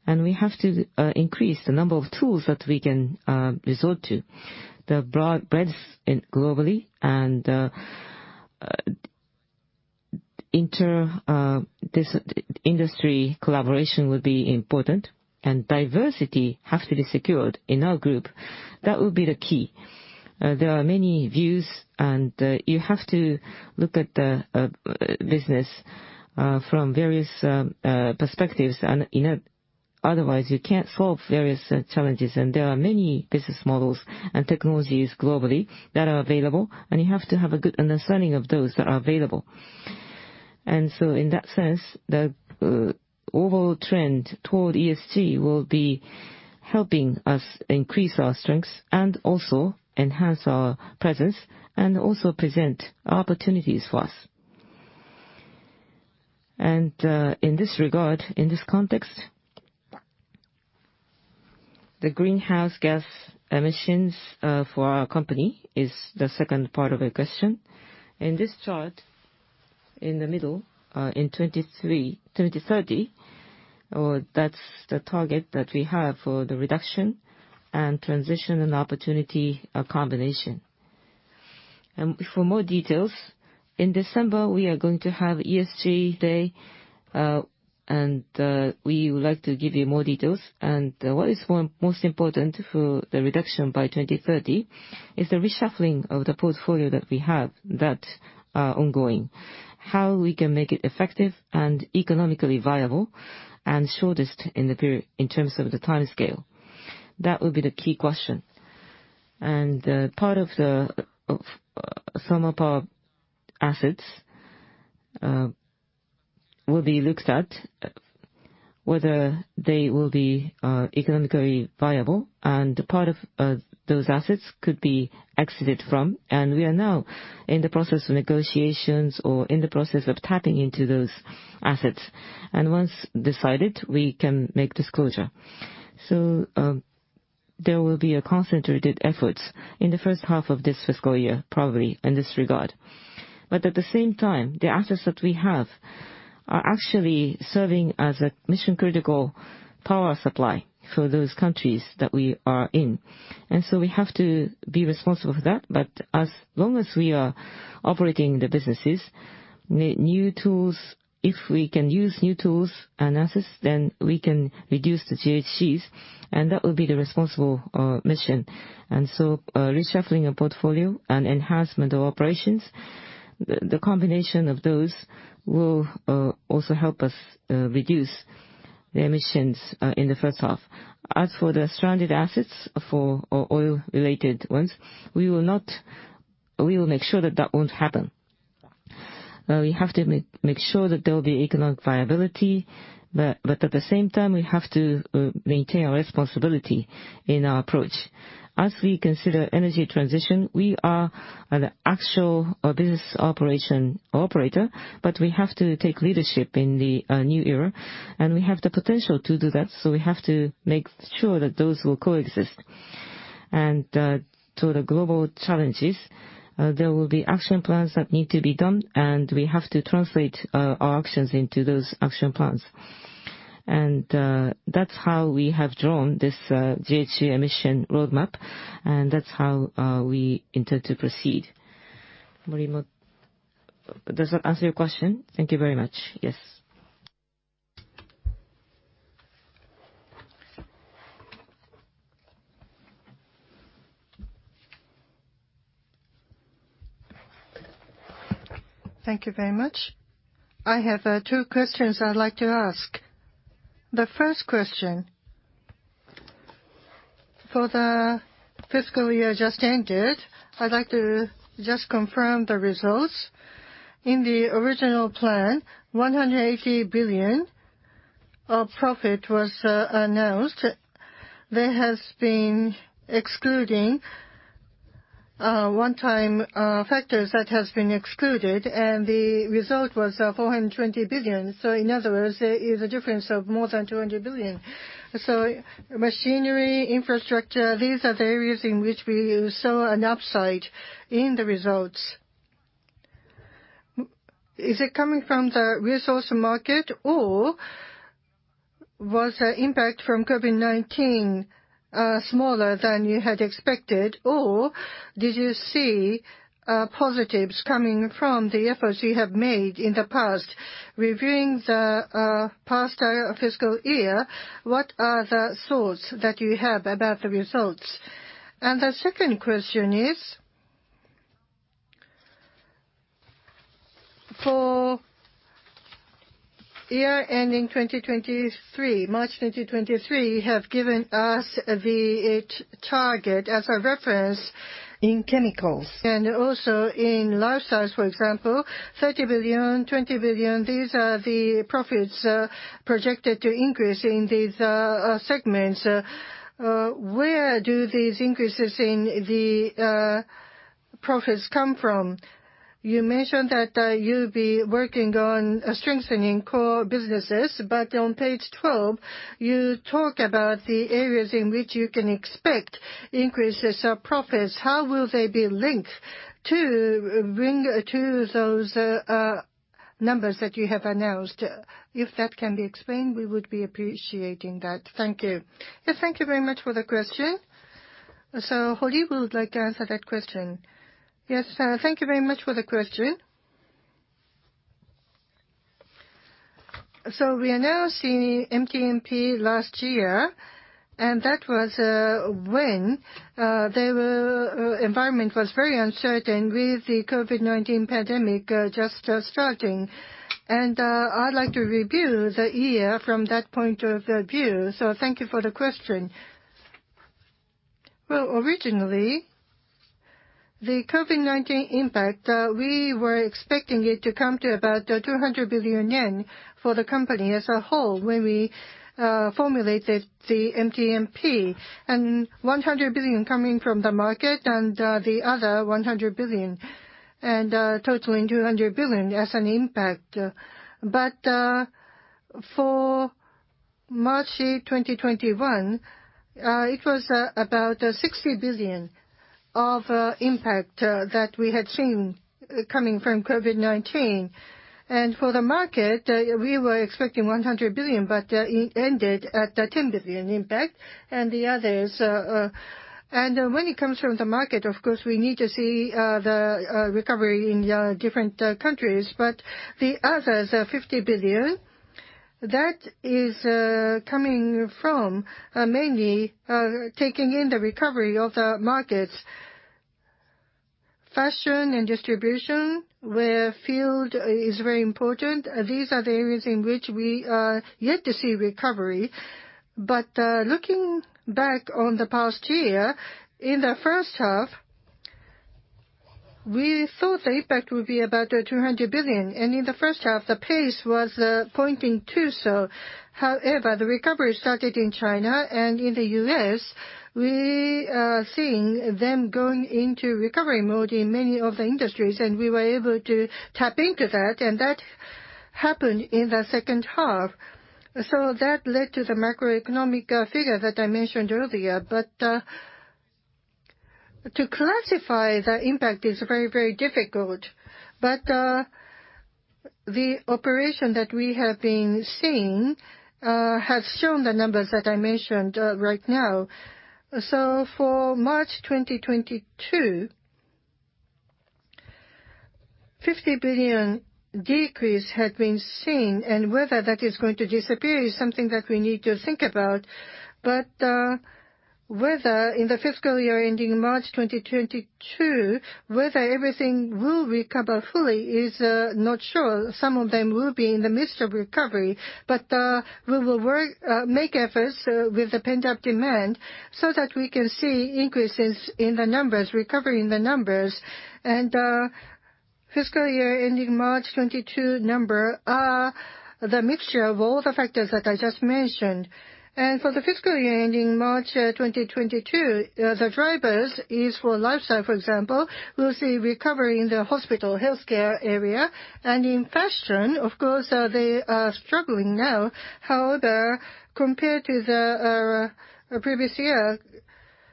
We have to increase the number of tools that we can resort to. The breadth globally and inter-industry collaboration will be important, and diversity has to be secured in our group. That will be the key. There are many views, and you have to look at the business from various perspectives. Otherwise, you can't solve various challenges. There are many business models and technologies globally that are available, and you have to have a good understanding of those that are available. In that sense, the overall trend toward ESG will be helping us increase our strengths, also enhance our presence, and also present opportunities for us. In this regard, in this context, the greenhouse gas emissions for our company is the second part of your question. In this chart, in the middle, in 2030, that's the target that we have for the reduction and transition and opportunity combination. For more details, in December, we are going to have ESG Day. We would like to give you more details. What is most important for the reduction by 2030 is the reshuffling of the portfolio that we have, that are ongoing. How we can make it effective and economically viable, and shortest in terms of the timescale. That will be the key question. Part of some of our assets will be looked at, whether they will be economically viable, and part of those assets could be exited from. We are now in the process of negotiations or in the process of tapping into those assets. Once decided, we can make disclosure. There will be concentrated efforts in the first half of this fiscal year, probably, in this regard. At the same time, the assets that we have are actually serving as a mission-critical power supply for those countries that we are in. We have to be responsible for that. As long as we are operating the businesses, if we can use new tools and assets, then we can reduce the GHGs, and that will be the responsible mission. Reshuffling a portfolio and enhancement of operations, the combination of those will also help us reduce the emissions in the first half. As for the stranded assets for oil-related ones, we will make sure that that won't happen. We have to make sure that there will be economic viability. At the same time, we have to maintain our responsibility in our approach. As we consider energy transition, we are an actual business operator, but we have to take leadership in the new era, and we have the potential to do that. We have to make sure that those will coexist. To the global challenges, there will be action plans that need to be done, and we have to translate our actions into those action plans. That's how we have drawn this GHG emission roadmap, and that's how we intend to proceed. Does that answer your question? Thank you very much. Yes. Thank you very much. I have two questions I'd like to ask. The first question, for the fiscal year just ended, I'd like to just confirm the results. In the original plan, 180 billion of profit was announced. There has been excluding one-time factors that has been excluded, and the result was 420 billion. In other words, there is a difference of more than 200 billion. Machinery, Infrastructure, these are the areas in which we saw an upside in the results. Is it coming from the resource market, or was the impact from COVID-19 smaller than you had expected? Did you see positives coming from the efforts you have made in the past? Reviewing the past fiscal year, what are the thoughts that you have about the results? The second question is, for year ending 2023, March 2023, you have given us the target as a reference in Chemicals. Also in Lifestyle, for example, 30 billion, 20 billion, these are the profits projected to increase in these segments. Where do these increases in profits come from? You mentioned that you'll be working on strengthening core businesses, on page 12, you talk about the areas in which you can expect increases of profits. How will they be linked to those numbers that you have announced? If that can be explained, we would be appreciating that. Thank you. Yes, thank you very much for the question. Hori would like to answer that question. Yes. Thank you very much for the question. We announced the MTMP last year, and that was when the environment was very uncertain with the COVID-19 pandemic just starting. I'd like to review the year from that point of view, so thank you for the question. Originally, the COVID-19 impact, we were expecting it to come to about 200 billion yen for the company as a whole when we formulated the MTMP, and 100 billion coming from the market and the other 100 billion, totaling 200 billion as an impact. For March 2021, it was about 60 billion of impact that we had seen coming from COVID-19. For the market, we were expecting 100 billion, but it ended at 10 billion impact. The others. When it comes from the market, of course, we need to see the recovery in different countries, but the others are 50 billion. That is coming from mainly taking in the recovery of the markets. Fashion and distribution, where field is very important, these are the areas in which we are yet to see recovery. Looking back on the past year, in the first half, we thought the impact would be about 200 billion. In the first half, the pace was pointing to so. However, the recovery started in China. In the U.S., we are seeing them going into recovery mode in many of the industries, and we were able to tap into that. That happened in the second half. That led to the macroeconomic figure that I mentioned earlier. To classify the impact is very, very difficult. The operation that we have been seeing has shown the numbers that I mentioned right now. For March 2022, 50 billion decrease had been seen, and whether that is going to disappear is something that we need to think about. Whether in the fiscal year ending March 2022, whether everything will recover fully is not sure. Some of them will be in the midst of recovery. We will make efforts with the pent-up demand so that we can see increases in the numbers, recovery in the numbers. Fiscal year ending March 2022 number are the mixture of all the factors that I just mentioned. For the fiscal year ending March 2022, the drivers is for Lifestyle, for example, we'll see recovery in the hospital, Healthcare area. In Fashion, of course, they are struggling now. However, compared to the previous year,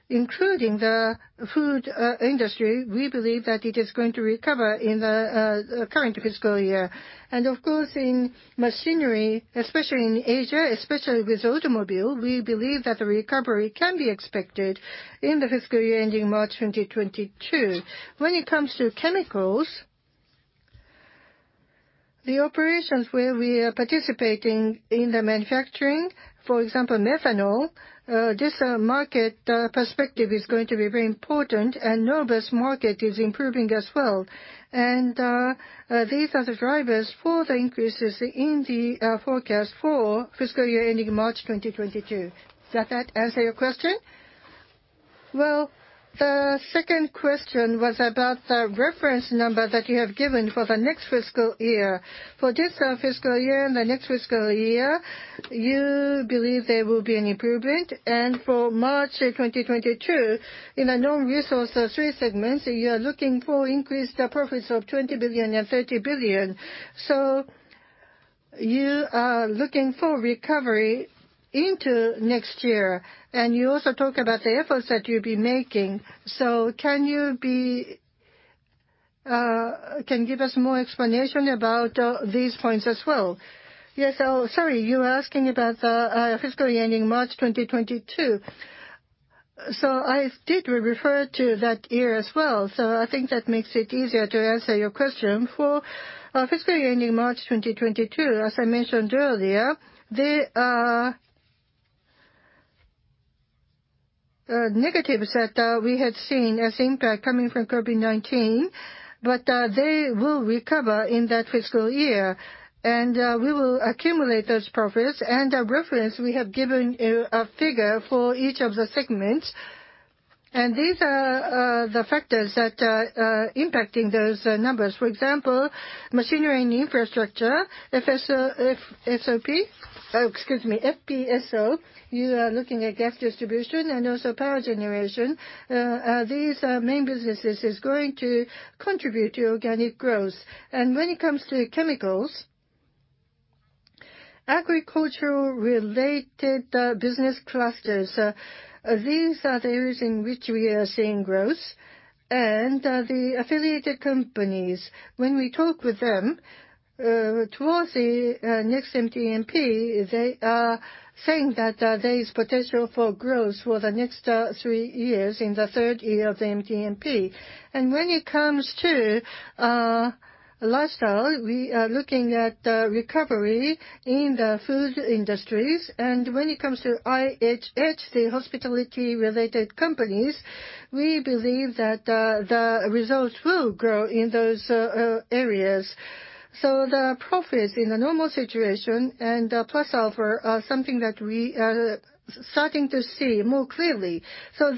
including the food industry, we believe that it is going to recover in the current fiscal year. Of course, in Machinery, especially in Asia, especially with automobile, we believe that the recovery can be expected in the fiscal year ending March 2022. When it comes to Chemicals, the operations where we are participating in the manufacturing, for example, methanol, this market perspective is going to be very important, and Novus market is improving as well. These are the drivers for the increases in the forecast for fiscal year ending March 2022. Does that answer your question? Well, the second question was about the reference number that you have given for the next fiscal year. For this fiscal year and the next fiscal year, you believe there will be an improvement. For March 2022, in the non-resource three segments, you are looking for increased profits of 20 billion and 30 billion. You are looking for recovery into next year, and you also talk about the efforts that you'll be making. Can you give us more explanation about these points as well? Yes. Sorry, you were asking about the fiscal year ending March 2022. I did refer to that year as well, so I think that makes it easier to answer your question. For our fiscal year ending March 2022, as I mentioned earlier, there are negatives that we had seen as impact coming from COVID-19, but they will recover in that fiscal year. We will accumulate those profits. As reference, we have given a figure for each of the segments. These are the factors that are impacting those numbers. For example, Machinery and Infrastructure, FPSO, you are looking at gas distribution and also power generation. These main businesses is going to contribute to organic growth. When it comes to Chemicals, agricultural related business clusters. These are the areas in which we are seeing growth. The affiliated companies, when we talk with them towards the next MTMP, they are saying that there is potential for growth for the next three years in the third year of the MTMP. When it comes to Lifestyle, we are looking at recovery in the food industries. When it comes to IHH, the hospitality-related companies, we believe that the results will grow in those areas. The profits in the normal situation and plus alpha are something that we are starting to see more clearly.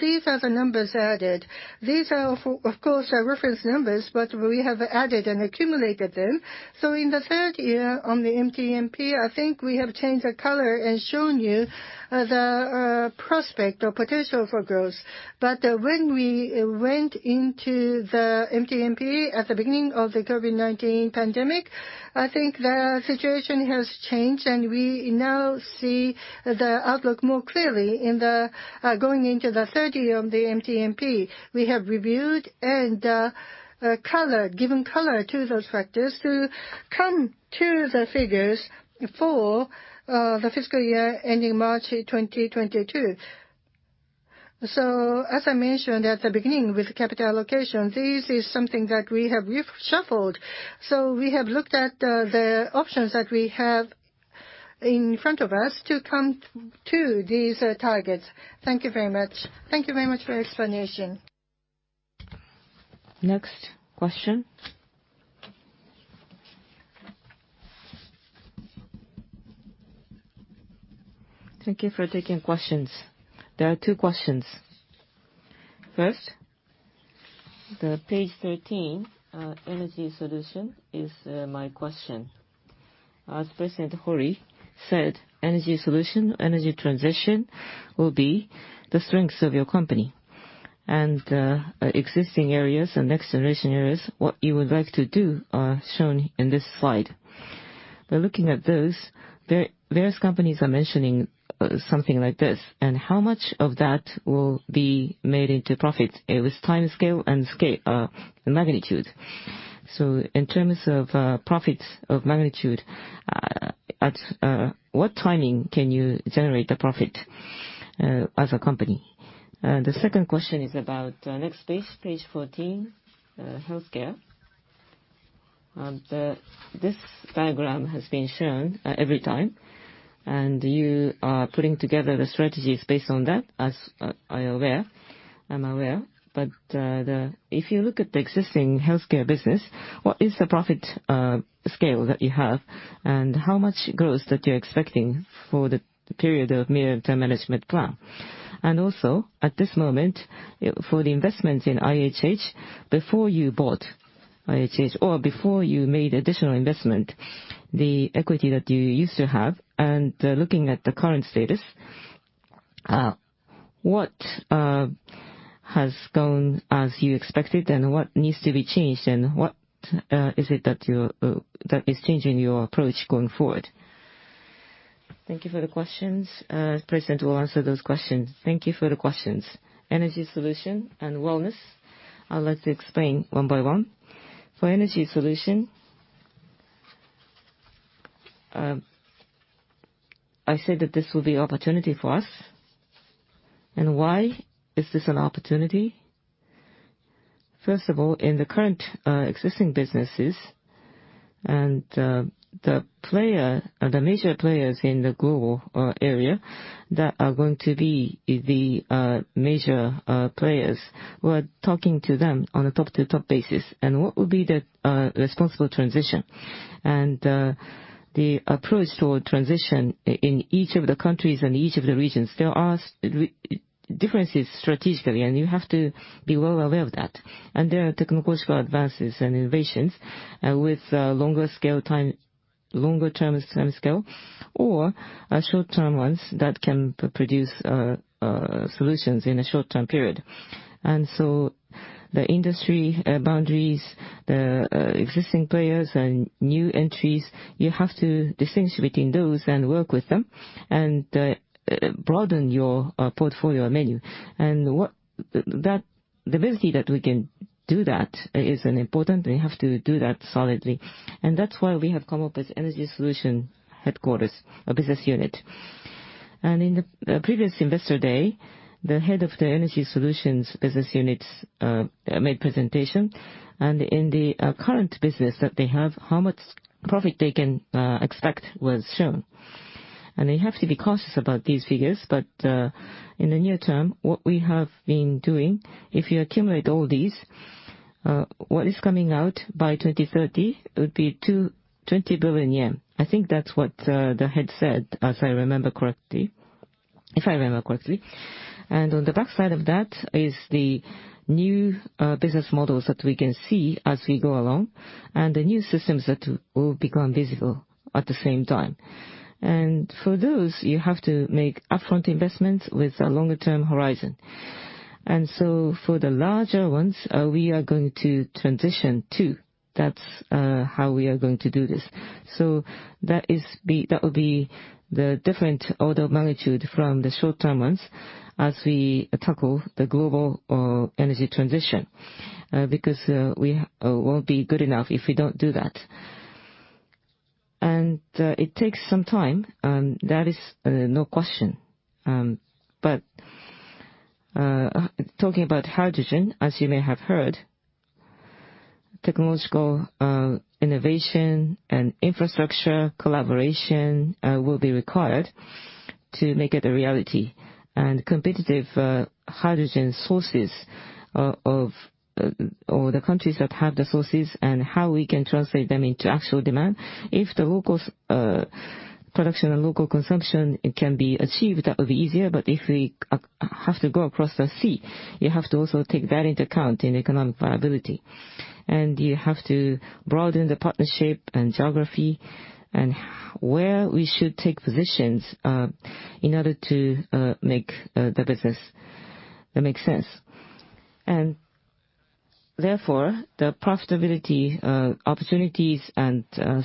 These are the numbers added. These are, of course, our reference numbers, but we have added and accumulated them. In the third year on the MTMP, I think we have changed the color and shown you the prospect or potential for growth. When we went into the MTMP at the beginning of the COVID-19 pandemic, I think the situation has changed and we now see the outlook more clearly going into the third year of the MTMP. We have reviewed and given color to those factors to come to the figures for the fiscal year ending March 2022. As I mentioned at the beginning with capital allocation, this is something that we have reshuffled. We have looked at the options that we have in front of us to come to these targets. Thank you very much. Thank you very much for your explanation. Next question. Thank you for taking questions. There are two questions. First, the page 13, Energy Solution, is my question. As President Hori said, Energy Solution, energy transition, will be the strengths of your company. Existing areas and next generation areas, what you would like to do are shown in this slide. By looking at those, various companies are mentioning something like this, how much of that will be made into profit with time scale and magnitude. In terms of profits of magnitude, at what timing can you generate the profit as a company? The second question is about next page 14, Healthcare. This diagram has been shown every time, you are putting together the strategies based on that, as I am aware. If you look at the existing Healthcare business, what is the profit scale that you have, and how much growth that you're expecting for the period of Mid-Term Management Plan? Also, at this moment, for the investment in IHH, before you bought IHH or before you made additional investment, the equity that you used to have, and looking at the current status, what has gone as you expected, and what needs to be changed, and what is it that is changing your approach going forward? Thank you for the questions. President will answer those questions. Thank you for the questions. Energy Solution and Wellness, I'll like to explain one by one. For Energy Solution, I said that this will be opportunity for us. Why is this an opportunity? First of all, in the current existing businesses, and the major players in the global area that are going to be the major players, we're talking to them on a top-to-top basis. What will be the responsible transition? The approach toward transition in each of the countries and each of the regions, there are differences strategically, and you have to be well aware of that. There are technological advances and innovations with longer-term scale, or short-term ones that can produce solutions in a short-term period. The industry boundaries, the existing players and new entries, you have to distinguish between those and work with them and broaden your portfolio menu. The ability that we can do that is important, we have to do that solidly. That's why we have come up with Energy Solutions Business Unit. In the previous Investor Day, the head of the Energy Solutions Business Unit made presentation. In the current business that they have, how much profit they can expect was shown. They have to be cautious about these figures. In the near term, what we have been doing, if you accumulate all these, what is coming out by 2030 would be 20 billion yen. I think that's what the head said, if I remember correctly. On the backside of that is the new business models that we can see as we go along, and the new systems that will become visible at the same time. For those, you have to make upfront investments with a longer-term horizon. For the larger ones, we are going to transition too. That's how we are going to do this. That will be the different order of magnitude from the short-term ones as we tackle the global energy transition, because we won't be good enough if we don't do that. It takes some time, and that is no question. Talking about hydrogen, as you may have heard, technological innovation and infrastructure collaboration will be required to make it a reality, and competitive hydrogen sources, or the countries that have the sources and how we can translate them into actual demand. If the local production and local consumption can be achieved, that will be easier. If we have to go across the sea, you have to also take that into account in economic viability. You have to broaden the partnership and geography and where we should take positions in order to make the business that makes sense. Therefore the profitability, opportunities, and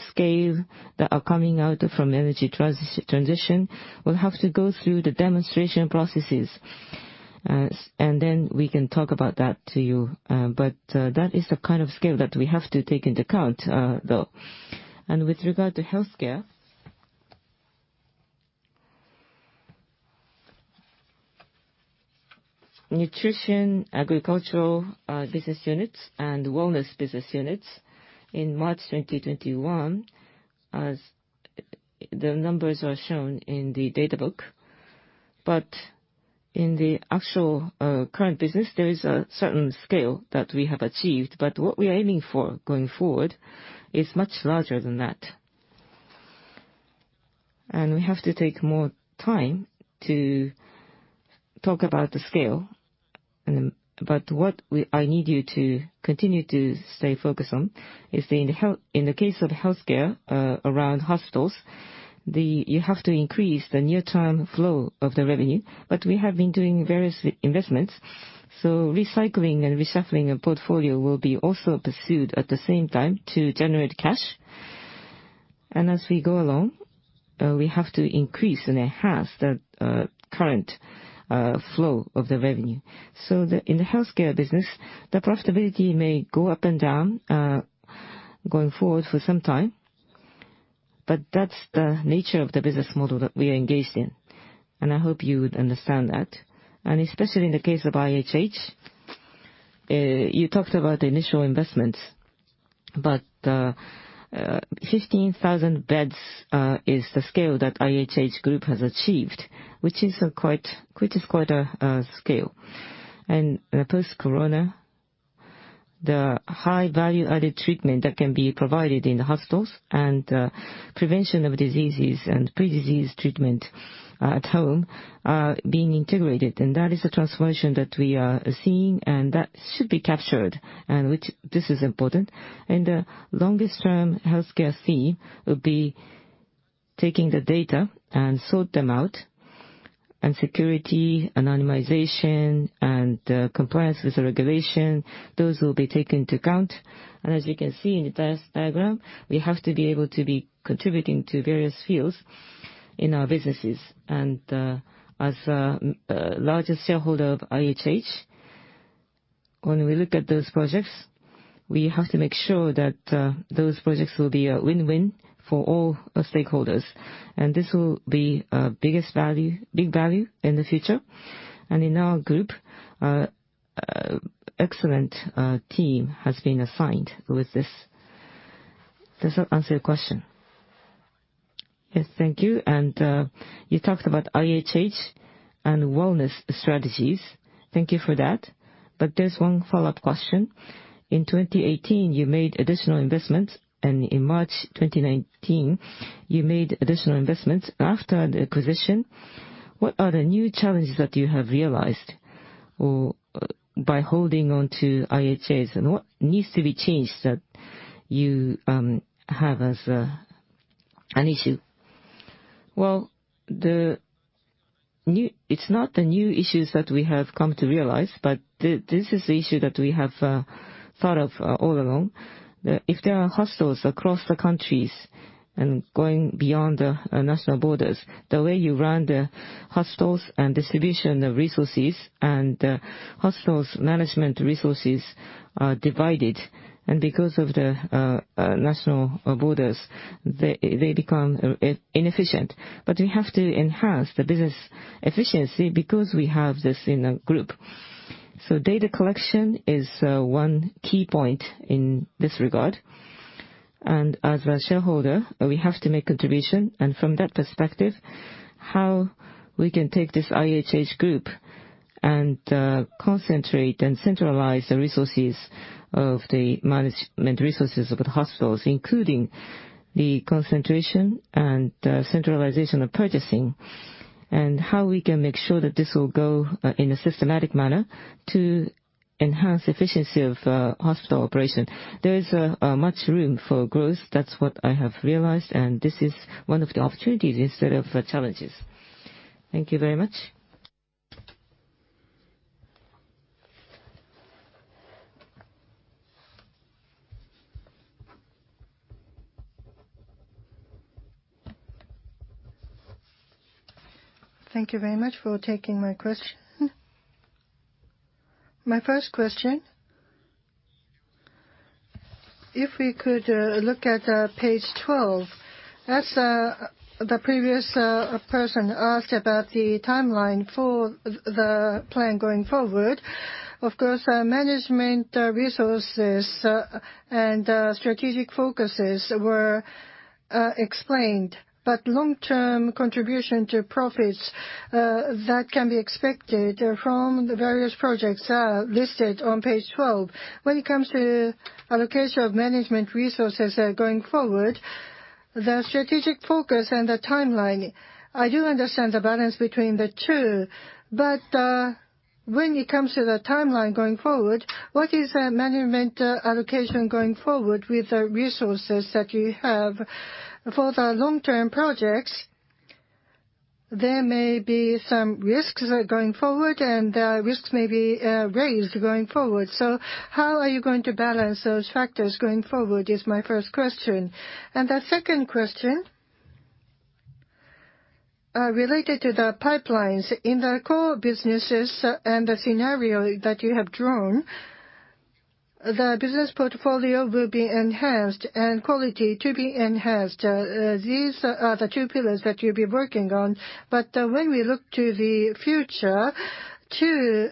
scale that are coming out from the energy transition will have to go through the demonstration processes. We can talk about that to you. That is the kind of scale that we have to take into account, though. With regard to Healthcare, Nutrition, Agricultural business units, and Wellness Business Units in March 2021, as the numbers are shown in the data book. In the actual current business, there is a certain scale that we have achieved, but what we're aiming for going forward is much larger than that. We have to take more time to talk about the scale. What I need you to continue to stay focused on is in the case of Healthcare around hospitals, you have to increase the near-term flow of the revenue. We have been doing various investments, so recycling and reshuffling of portfolio will be also pursued at the same time to generate cash. As we go along, we have to increase and enhance the current flow of the revenue. In the Healthcare business, the profitability may go up and down, going forward for some time, but that's the nature of the business model that we are engaged in, and I hope you would understand that. Especially in the case of IHH, you talked about the initial investments, but 15,000 beds is the scale that IHH Group has achieved, which is quite a scale. Post-corona, the high value-added treatment that can be provided in the hospitals and prevention of diseases and pre-disease treatment at home are being integrated. That is a transformation that we are seeing and that should be captured, and this is important. The longest-term healthcare fee would be taking the data and sort them out, and security, anonymization, and compliance with the regulation, those will be taken into account. As you can see in the first diagram, we have to be able to be contributing to various fields in our businesses. As the largest shareholder of IHH, when we look at those projects, we have to make sure that those projects will be a win-win for all stakeholders. This will be big value in the future. In our group, excellent team has been assigned with this. Does that answer your question? Yes, thank you. You talked about IHH and Wellness strategies. Thank you for that. There's one follow-up question. In 2018, you made additional investments, and in March 2019, you made additional investments after the acquisition. What are the new challenges that you have realized by holding on to IHH? What needs to be changed that you have as an issue? It's not the new issues that we have come to realize, but this is the issue that we have thought of all along. If there are hospitals across the countries and going beyond the national borders, the way you run the hospitals and distribution of resources and the hospitals' management resources are divided. Because of the national borders, they become inefficient. We have to enhance the business efficiency because we have this in a group. Data collection is one key point in this regard. As a shareholder, we have to make a contribution. From that perspective, how we can take this IHH group and concentrate and centralize the resources of the management resources of the hospitals, including the concentration and centralization of purchasing, and how we can make sure that this will go in a systematic manner to enhance efficiency of hospital operation. There is much room for growth. That's what I have realized, and this is one of the opportunities instead of challenges. Thank you very much. Thank you very much for taking my question. My first question, if we could look at page 12, as the previous person asked about the timeline for the plan going forward, of course, management resources and strategic focuses were explained. Long-term contribution to profits that can be expected from the various projects are listed on page 12. When it comes to allocation of management resources going forward, the strategic focus and the timeline, I do understand the balance between the two. When it comes to the timeline going forward, what is management allocation going forward with the resources that you have for the long-term projects? There may be some risks going forward, and the risks may be raised going forward. How are you going to balance those factors going forward, is my first question. The second question, related to the pipelines in the core businesses and the scenario that you have drawn, the business portfolio will be enhanced and quality to be enhanced. These are the two pillars that you'll be working on. When we look to the future too,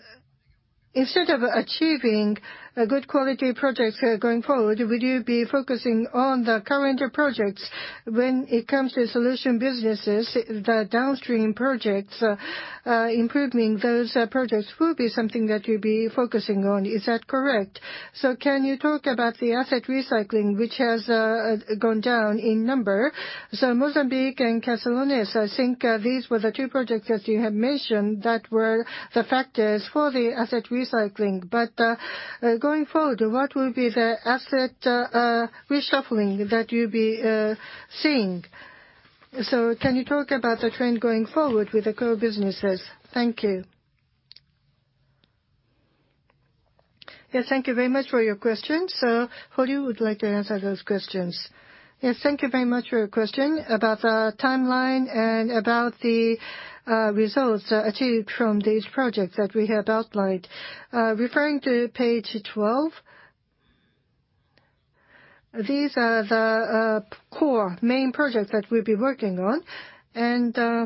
instead of achieving good quality projects going forward, would you be focusing on the current projects when it comes to solution businesses, the downstream projects, improving those projects will be something that you'll be focusing on. Is that correct? Can you talk about the asset recycling, which has gone down in number? Mozambique and Caserones, I think these were the two projects that you have mentioned that were the factors for the asset recycling. Going forward, what will be the asset reshuffling that you'll be seeing? Can you talk about the trend going forward with the core businesses? Thank you. Yes, thank you very much for your question. Hori would like to answer those questions. Yes, thank you very much for your question about the timeline and about the results achieved from these projects that we have outlined. Referring to page 12, these are the core main projects that we'll be working on.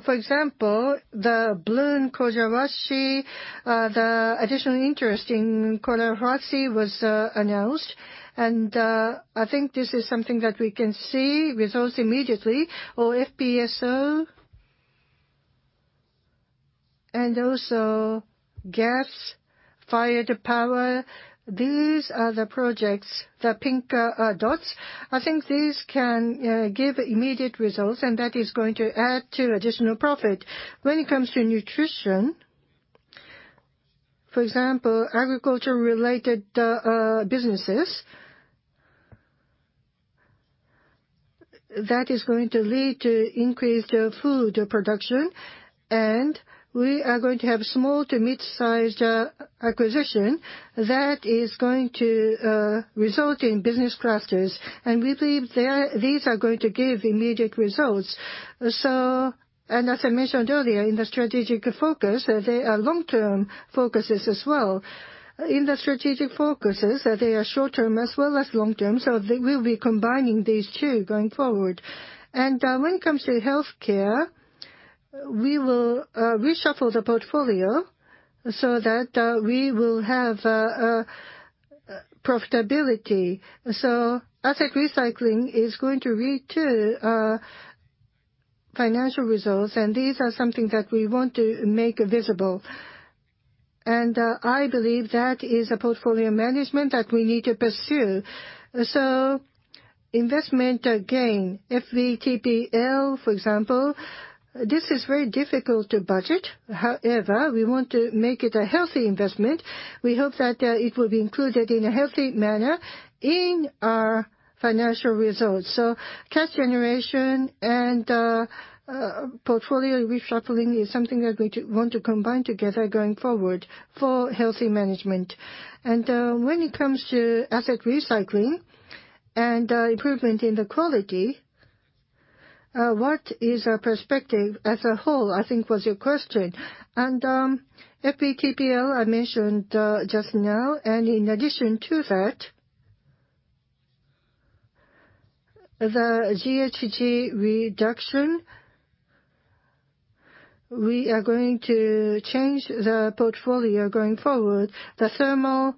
For example, the Collahuasi the additional interest in Collahuasi was announced, and I think this is something that we can see results immediately. FPSO, and also gas-fired power. These are the projects, the pink dots, I think these can give immediate results, and that is going to add to additional profit. When it comes to Nutrition, for example, agriculture-related businesses, that is going to lead to increased food production, and we are going to have small to mid-sized acquisition that is going to result in business clusters, and we believe these are going to give immediate results. As I mentioned earlier, in the strategic focus, they are long-term focuses as well. In the strategic focuses, they are short-term as well as long-term. We'll be combining these two going forward. When it comes to Healthcare, we will reshuffle the portfolio so that we will have profitability. Asset recycling is going to lead to financial results, and these are something that we want to make visible. I believe that is a portfolio management that we need to pursue. Investment gain, FVTPL, for example, this is very difficult to budget. However, we want to make it a healthy investment. We hope that it will be included in a healthy manner in our financial results. Cash generation and portfolio reshuffling is something we are going to want to combine together going forward for healthy management. When it comes to asset recycling and improvement in the quality, what is our perspective as a whole, I think was your question. FVTPL, I mentioned just now, and in addition to that, the GHG reduction, we are going to change the portfolio going forward. The thermal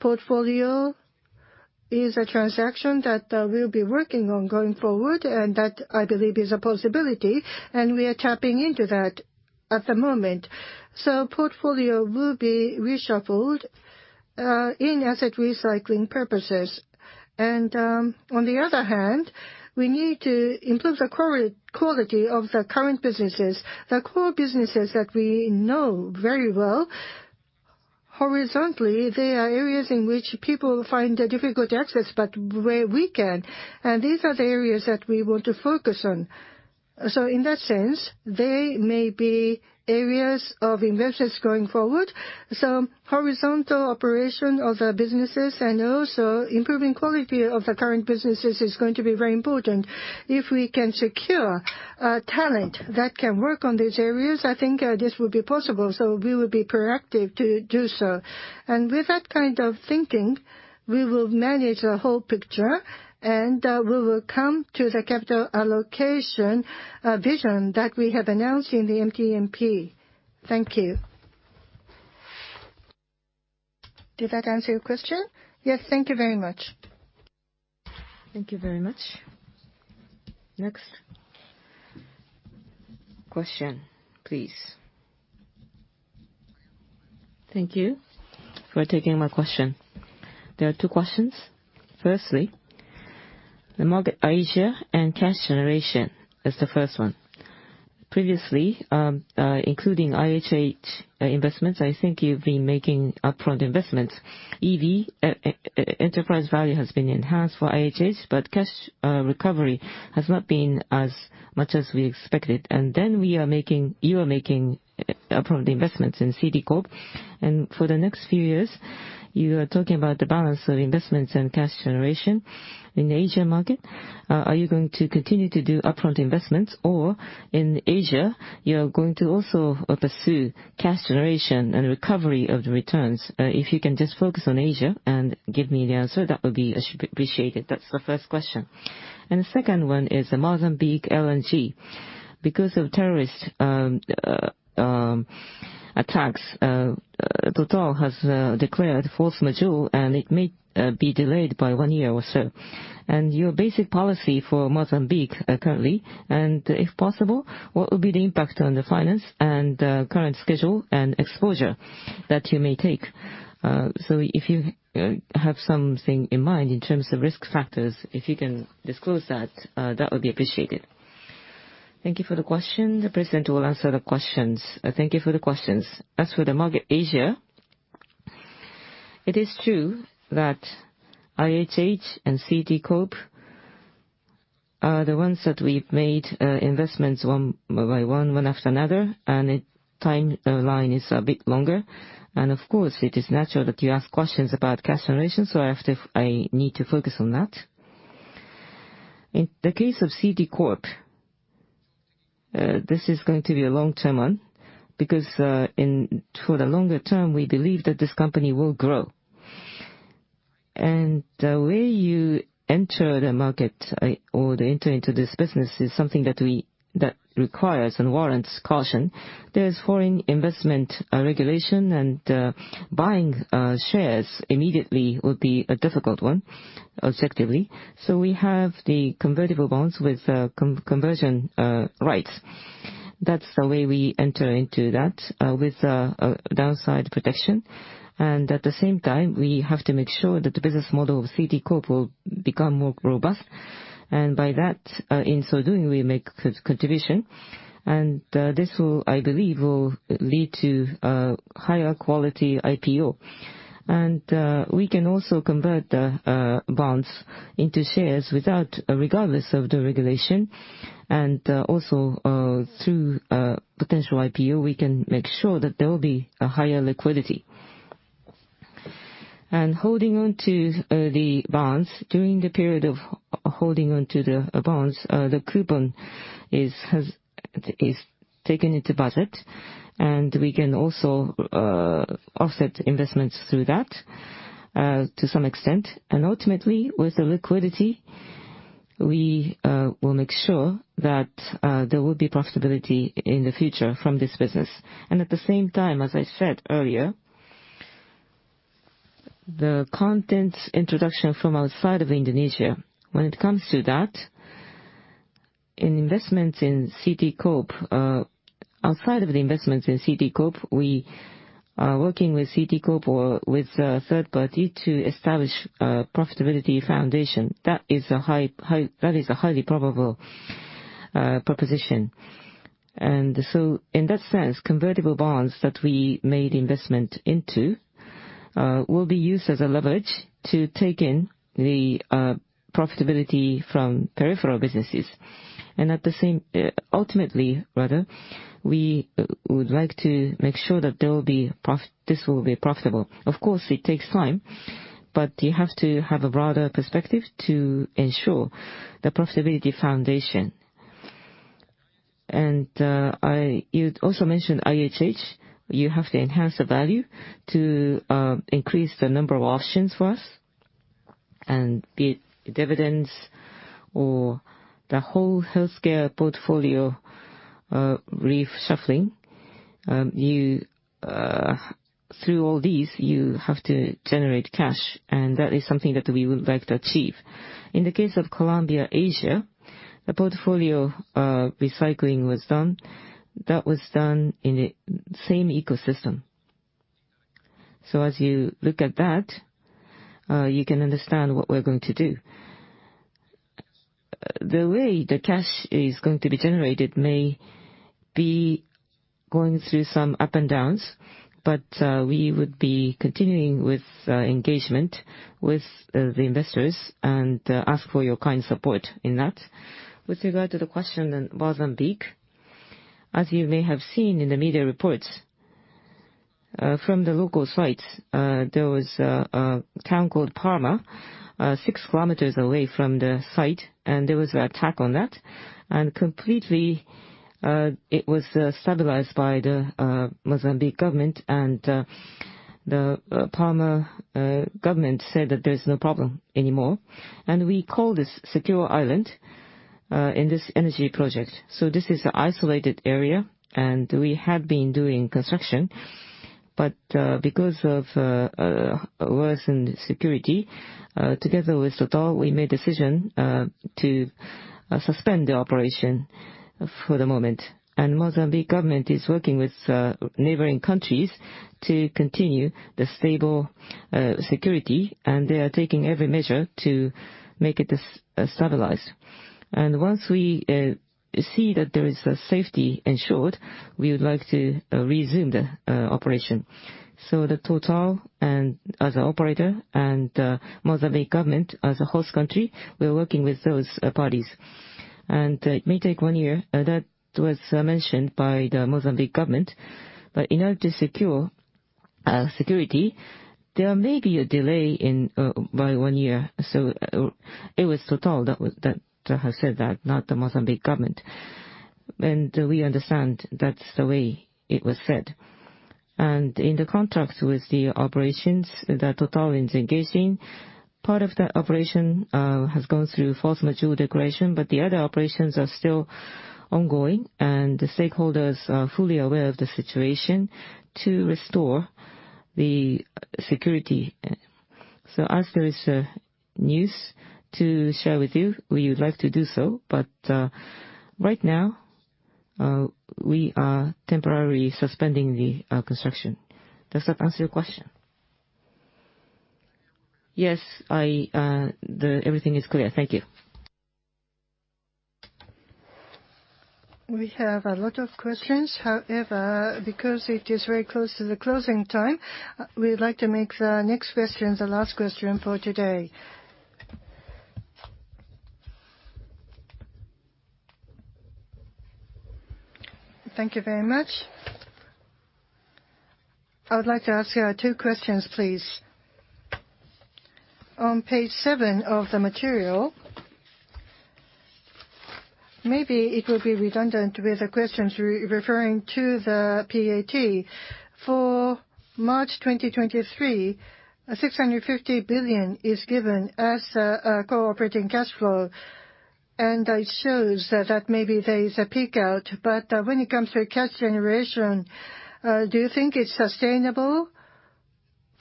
portfolio is a transaction that we'll be working on going forward, and that, I believe, is a possibility, and we are tapping into that at the moment. Portfolio will be reshuffled in asset recycling purposes. On the other hand, we need to improve the quality of the current businesses, the core businesses that we know very well. Horizontally, there are areas in which people find difficult to access, but where we can. These are the areas that we want to focus on. In that sense, they may be areas of investments going forward. Some horizontal operation of the businesses and also improving quality of the current businesses is going to be very important. If we can secure talent that can work on these areas, I think this will be possible. We will be proactive to do so. With that kind of thinking, we will manage the whole picture, and we will come to the capital allocation vision that we have announced in the MTMP. Thank you. Did that answer your question? Yes, thank you very much. Thank you very much. Next question, please. Thank you for taking my question. There are two questions. Firstly, the Market Asia and cash generation is the first one. Previously, including IHH investments, I think you've been making upfront investments. EV, enterprise value, has been enhanced for IHH, cash recovery has not been as much as we expected. Then you are making upfront investments in CT Corp. For the next few years, you are talking about the balance of investments and cash generation in Asia Market. Are you going to continue to do upfront investments? In Asia, you're going to also pursue cash generation and recovery of the returns? If you can just focus on Asia and give me the answer, that would be appreciated. That's the first question. The second one is the Mozambique LNG. Because of terrorist attacks, Total has declared force majeure, it may be delayed by one year or so. Your basic policy for Mozambique currently, and if possible, what will be the impact on the finance and current schedule and exposure that you may take? If you have something in mind in terms of risk factors, if you can disclose that would be appreciated. Thank you for the question. The president will answer the questions. Thank you for the questions. For the Market Asia, it is true that IHH and CT Corp are the ones that we've made investments one by one after another, and the timeline is a bit longer. Of course, it is natural that you ask questions about cash generation, so I need to focus on that. In the case of CT Corp, this is going to be a long-term one, because for the longer term, we believe that this company will grow. The way you enter the market or enter into this business is something that requires and warrants caution. There's foreign investment regulation, and buying shares immediately would be a difficult one, objectively. We have the convertible bonds with conversion rights. That's the way we enter into that, with a downside protection. At the same time, we have to make sure that the business model of CT Corp will become more robust. By that, in so doing, we make contribution. This, I believe, will lead to a higher quality IPO. We can also convert the bonds into shares regardless of the regulation. Also, through potential IPO, we can make sure that there will be a higher liquidity, and holding on to the bonds. During the period of holding on to the bonds, the coupon is taken into budget, we can also offset investments through that to some extent. Ultimately, with the liquidity, we will make sure that there will be profitability in the future from this business. At the same time, as I said earlier, the content introduction from outside of Indonesia, when it comes to that, in investments in CT Corp, outside of the investments in CT Corp, we are working with CT Corp or with a third party to establish a profitability foundation. That is a highly probable proposition. In that sense, convertible bonds that we made investment into will be used as a leverage to take in the profitability from peripheral businesses. Ultimately, we would like to make sure that this will be profitable. Of course, it takes time, but you have to have a broader perspective to ensure the profitability foundation. You also mentioned IHH. You have to enhance the value to increase the number of options for us and the dividends or the whole Healthcare portfolio reshuffling. Through all these, you have to generate cash, and that is something that we would like to achieve. In the case of Columbia Asia, the portfolio recycling was done. That was done in the same ecosystem. As you look at that, you can understand what we're going to do. The way the cash is going to be generated may be going through some up and downs, but we would be continuing with engagement with the investors and ask for your kind support in that. With regard to the question on Mozambique, as you may have seen in the media reports, from the local sites, there was a town called Palma, 6 km away from the site. There was an attack on that. Completely, it was stabilized by the Mozambique Government. The Palma Government said that there's no problem anymore. We call this secure island in this energy project. This is an isolated area. We had been doing construction. Because of worsened security, together with Total, we made a decision to suspend the operation for the moment. Mozambique Government is working with neighboring countries to continue the stable security. They are taking every measure to make it stabilized. Once we see that there is safety ensured, we would like to resume the operation. The Total, as an operator, and Mozambique Government, as a host country, we're working with those parties. It may take one year, that was mentioned by the Mozambique Government. In order to secure security, there may be a delay by one year. It was Total that has said that, not the Mozambique Government. We understand that's the way it was said. In the contracts with the operations that Total is engaging, part of that operation has gone through force majeure declaration, but the other operations are still ongoing, and the stakeholders are fully aware of the situation to restore the security. As there is news to share with you, we would like to do so. Right now, we are temporarily suspending the construction. Does that answer your question? Yes. Everything is clear. Thank you. We have a lot of questions. Because it is very close to the closing time, we would like to make the next question the last question for today. Thank you very much. I would like to ask two questions, please. On page seven of the material, maybe it will be redundant with the questions referring to the PAT. For March 2023, 650 billion is given as a core operating cash flow, and it shows that maybe there is a peak out. When it comes to cash generation, do you think it's sustainable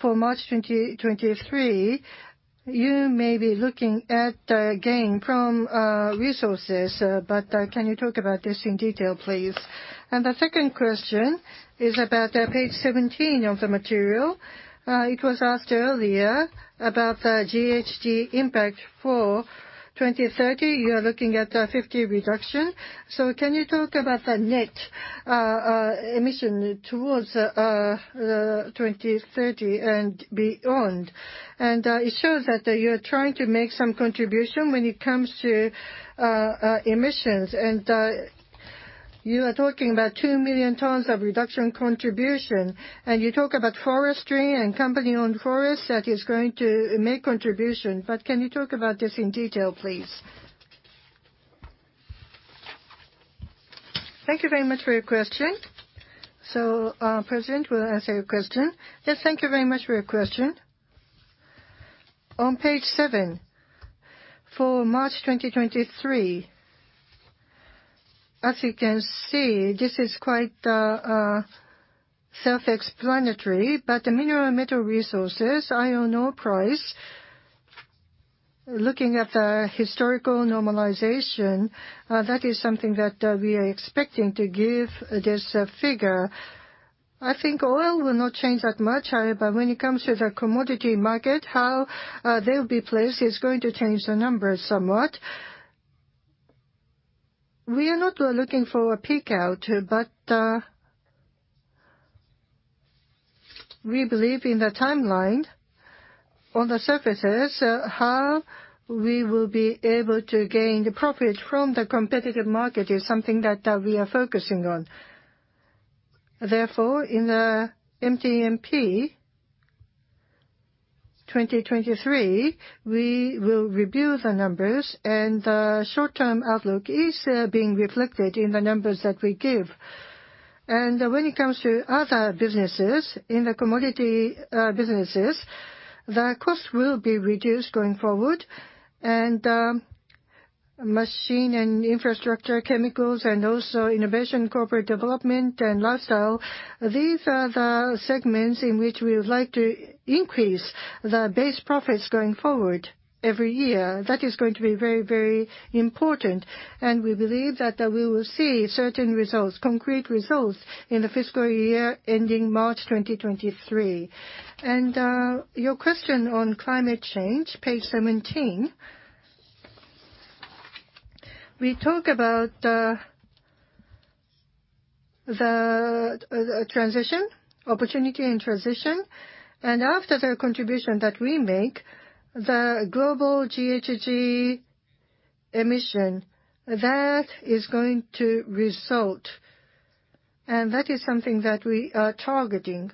for March 2023? You may be looking at gain from resources, but can you talk about this in detail, please? The second question is about page 17 of the material. It was asked earlier about the GHG impact for 2030. You are looking at 50 reduction. Can you talk about the net emission towards 2030 and beyond? It shows that you're trying to make some contribution when it comes to emissions, and you are talking about 2 million tons of reduction contribution, and you talk about forestry and company-owned forests that is going to make contribution. Can you talk about this in detail, please? Thank you very much for your question. Our president will answer your question. Yes, thank you very much for your question. On page seven, for March 2023, as you can see, this is quite self-explanatory. The Mineral and Metal Resources, iron ore price, looking at the historical normalization, that is something that we are expecting to give this figure. I think oil will not change that much, but when it comes to the commodity market, how they'll be placed is going to change the numbers somewhat. We are not looking for a peak out, but we believe in the timeline. On the surfaces, how we will be able to gain the profit from the competitive market is something that we are focusing on. Therefore in the MTMP 2023, we will review the numbers, and the short-term outlook is being reflected in the numbers that we give. When it comes to other businesses, in the commodity businesses, the cost will be reduced going forward. Machine and Infrastructure, Chemicals, and also Innovation, Corporate Development, and Lifestyle, these are the segments in which we would like to increase the base profits going forward every year. That is going to be very important, and we believe that we will see certain results, concrete results, in the fiscal year ending March 2023. Your question on climate change, page 17. We talk about the transition, opportunity and transition. After the contribution that we make, the global GHG emission, that is going to result, and that is something that we are targeting.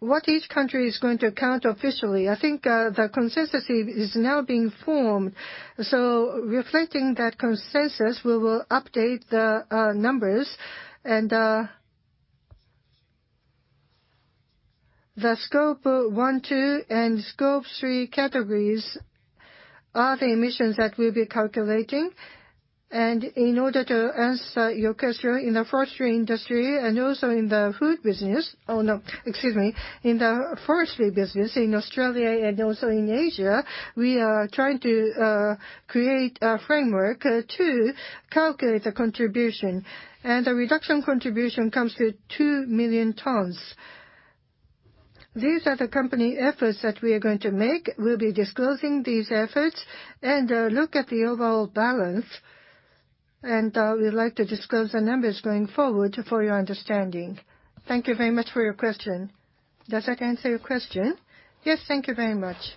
What each country is going to count officially, I think the consensus is now being formed. Reflecting that consensus, we will update the numbers and the Scope 1, 2, and Scope 3 categories are the emissions that we'll be calculating. In order to answer your question, in the forestry industry and also in the food business. In the forestry business in Australia and also in Asia, we are trying to create a framework to calculate the contribution, and the reduction contribution comes to 2 million tons. These are the company efforts that we are going to make. We'll be disclosing these efforts and look at the overall balance, and we'd like to disclose the numbers going forward for your understanding. Thank you very much for your question. Does that answer your question? Yes, thank you very much.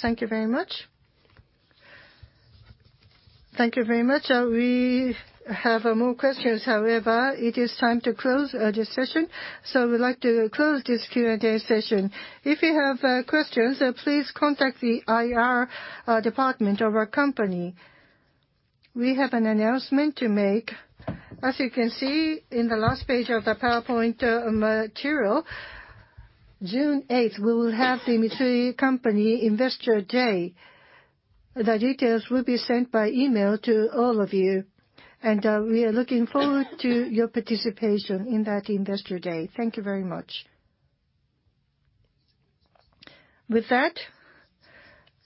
Thank you very much. Thank you very much. We have more questions. However, it is time to close this session, so we'd like to close this Q&A session. If you have questions, please contact the IR department of our company. We have an announcement to make. As you can see in the last page of the PowerPoint material, June 8th, we will have the Mitsui & Co. Investor Day. The details will be sent by email to all of you, and we are looking forward to your participation in that Investor Day. Thank you very much. With that,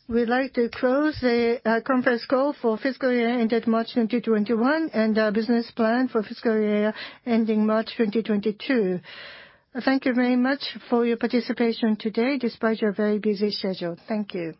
we'd like to close the conference call for fiscal year ended March 2021 and our business plan for fiscal year ending March 2022. Thank you very much for your participation today, despite your very busy schedule. Thank you.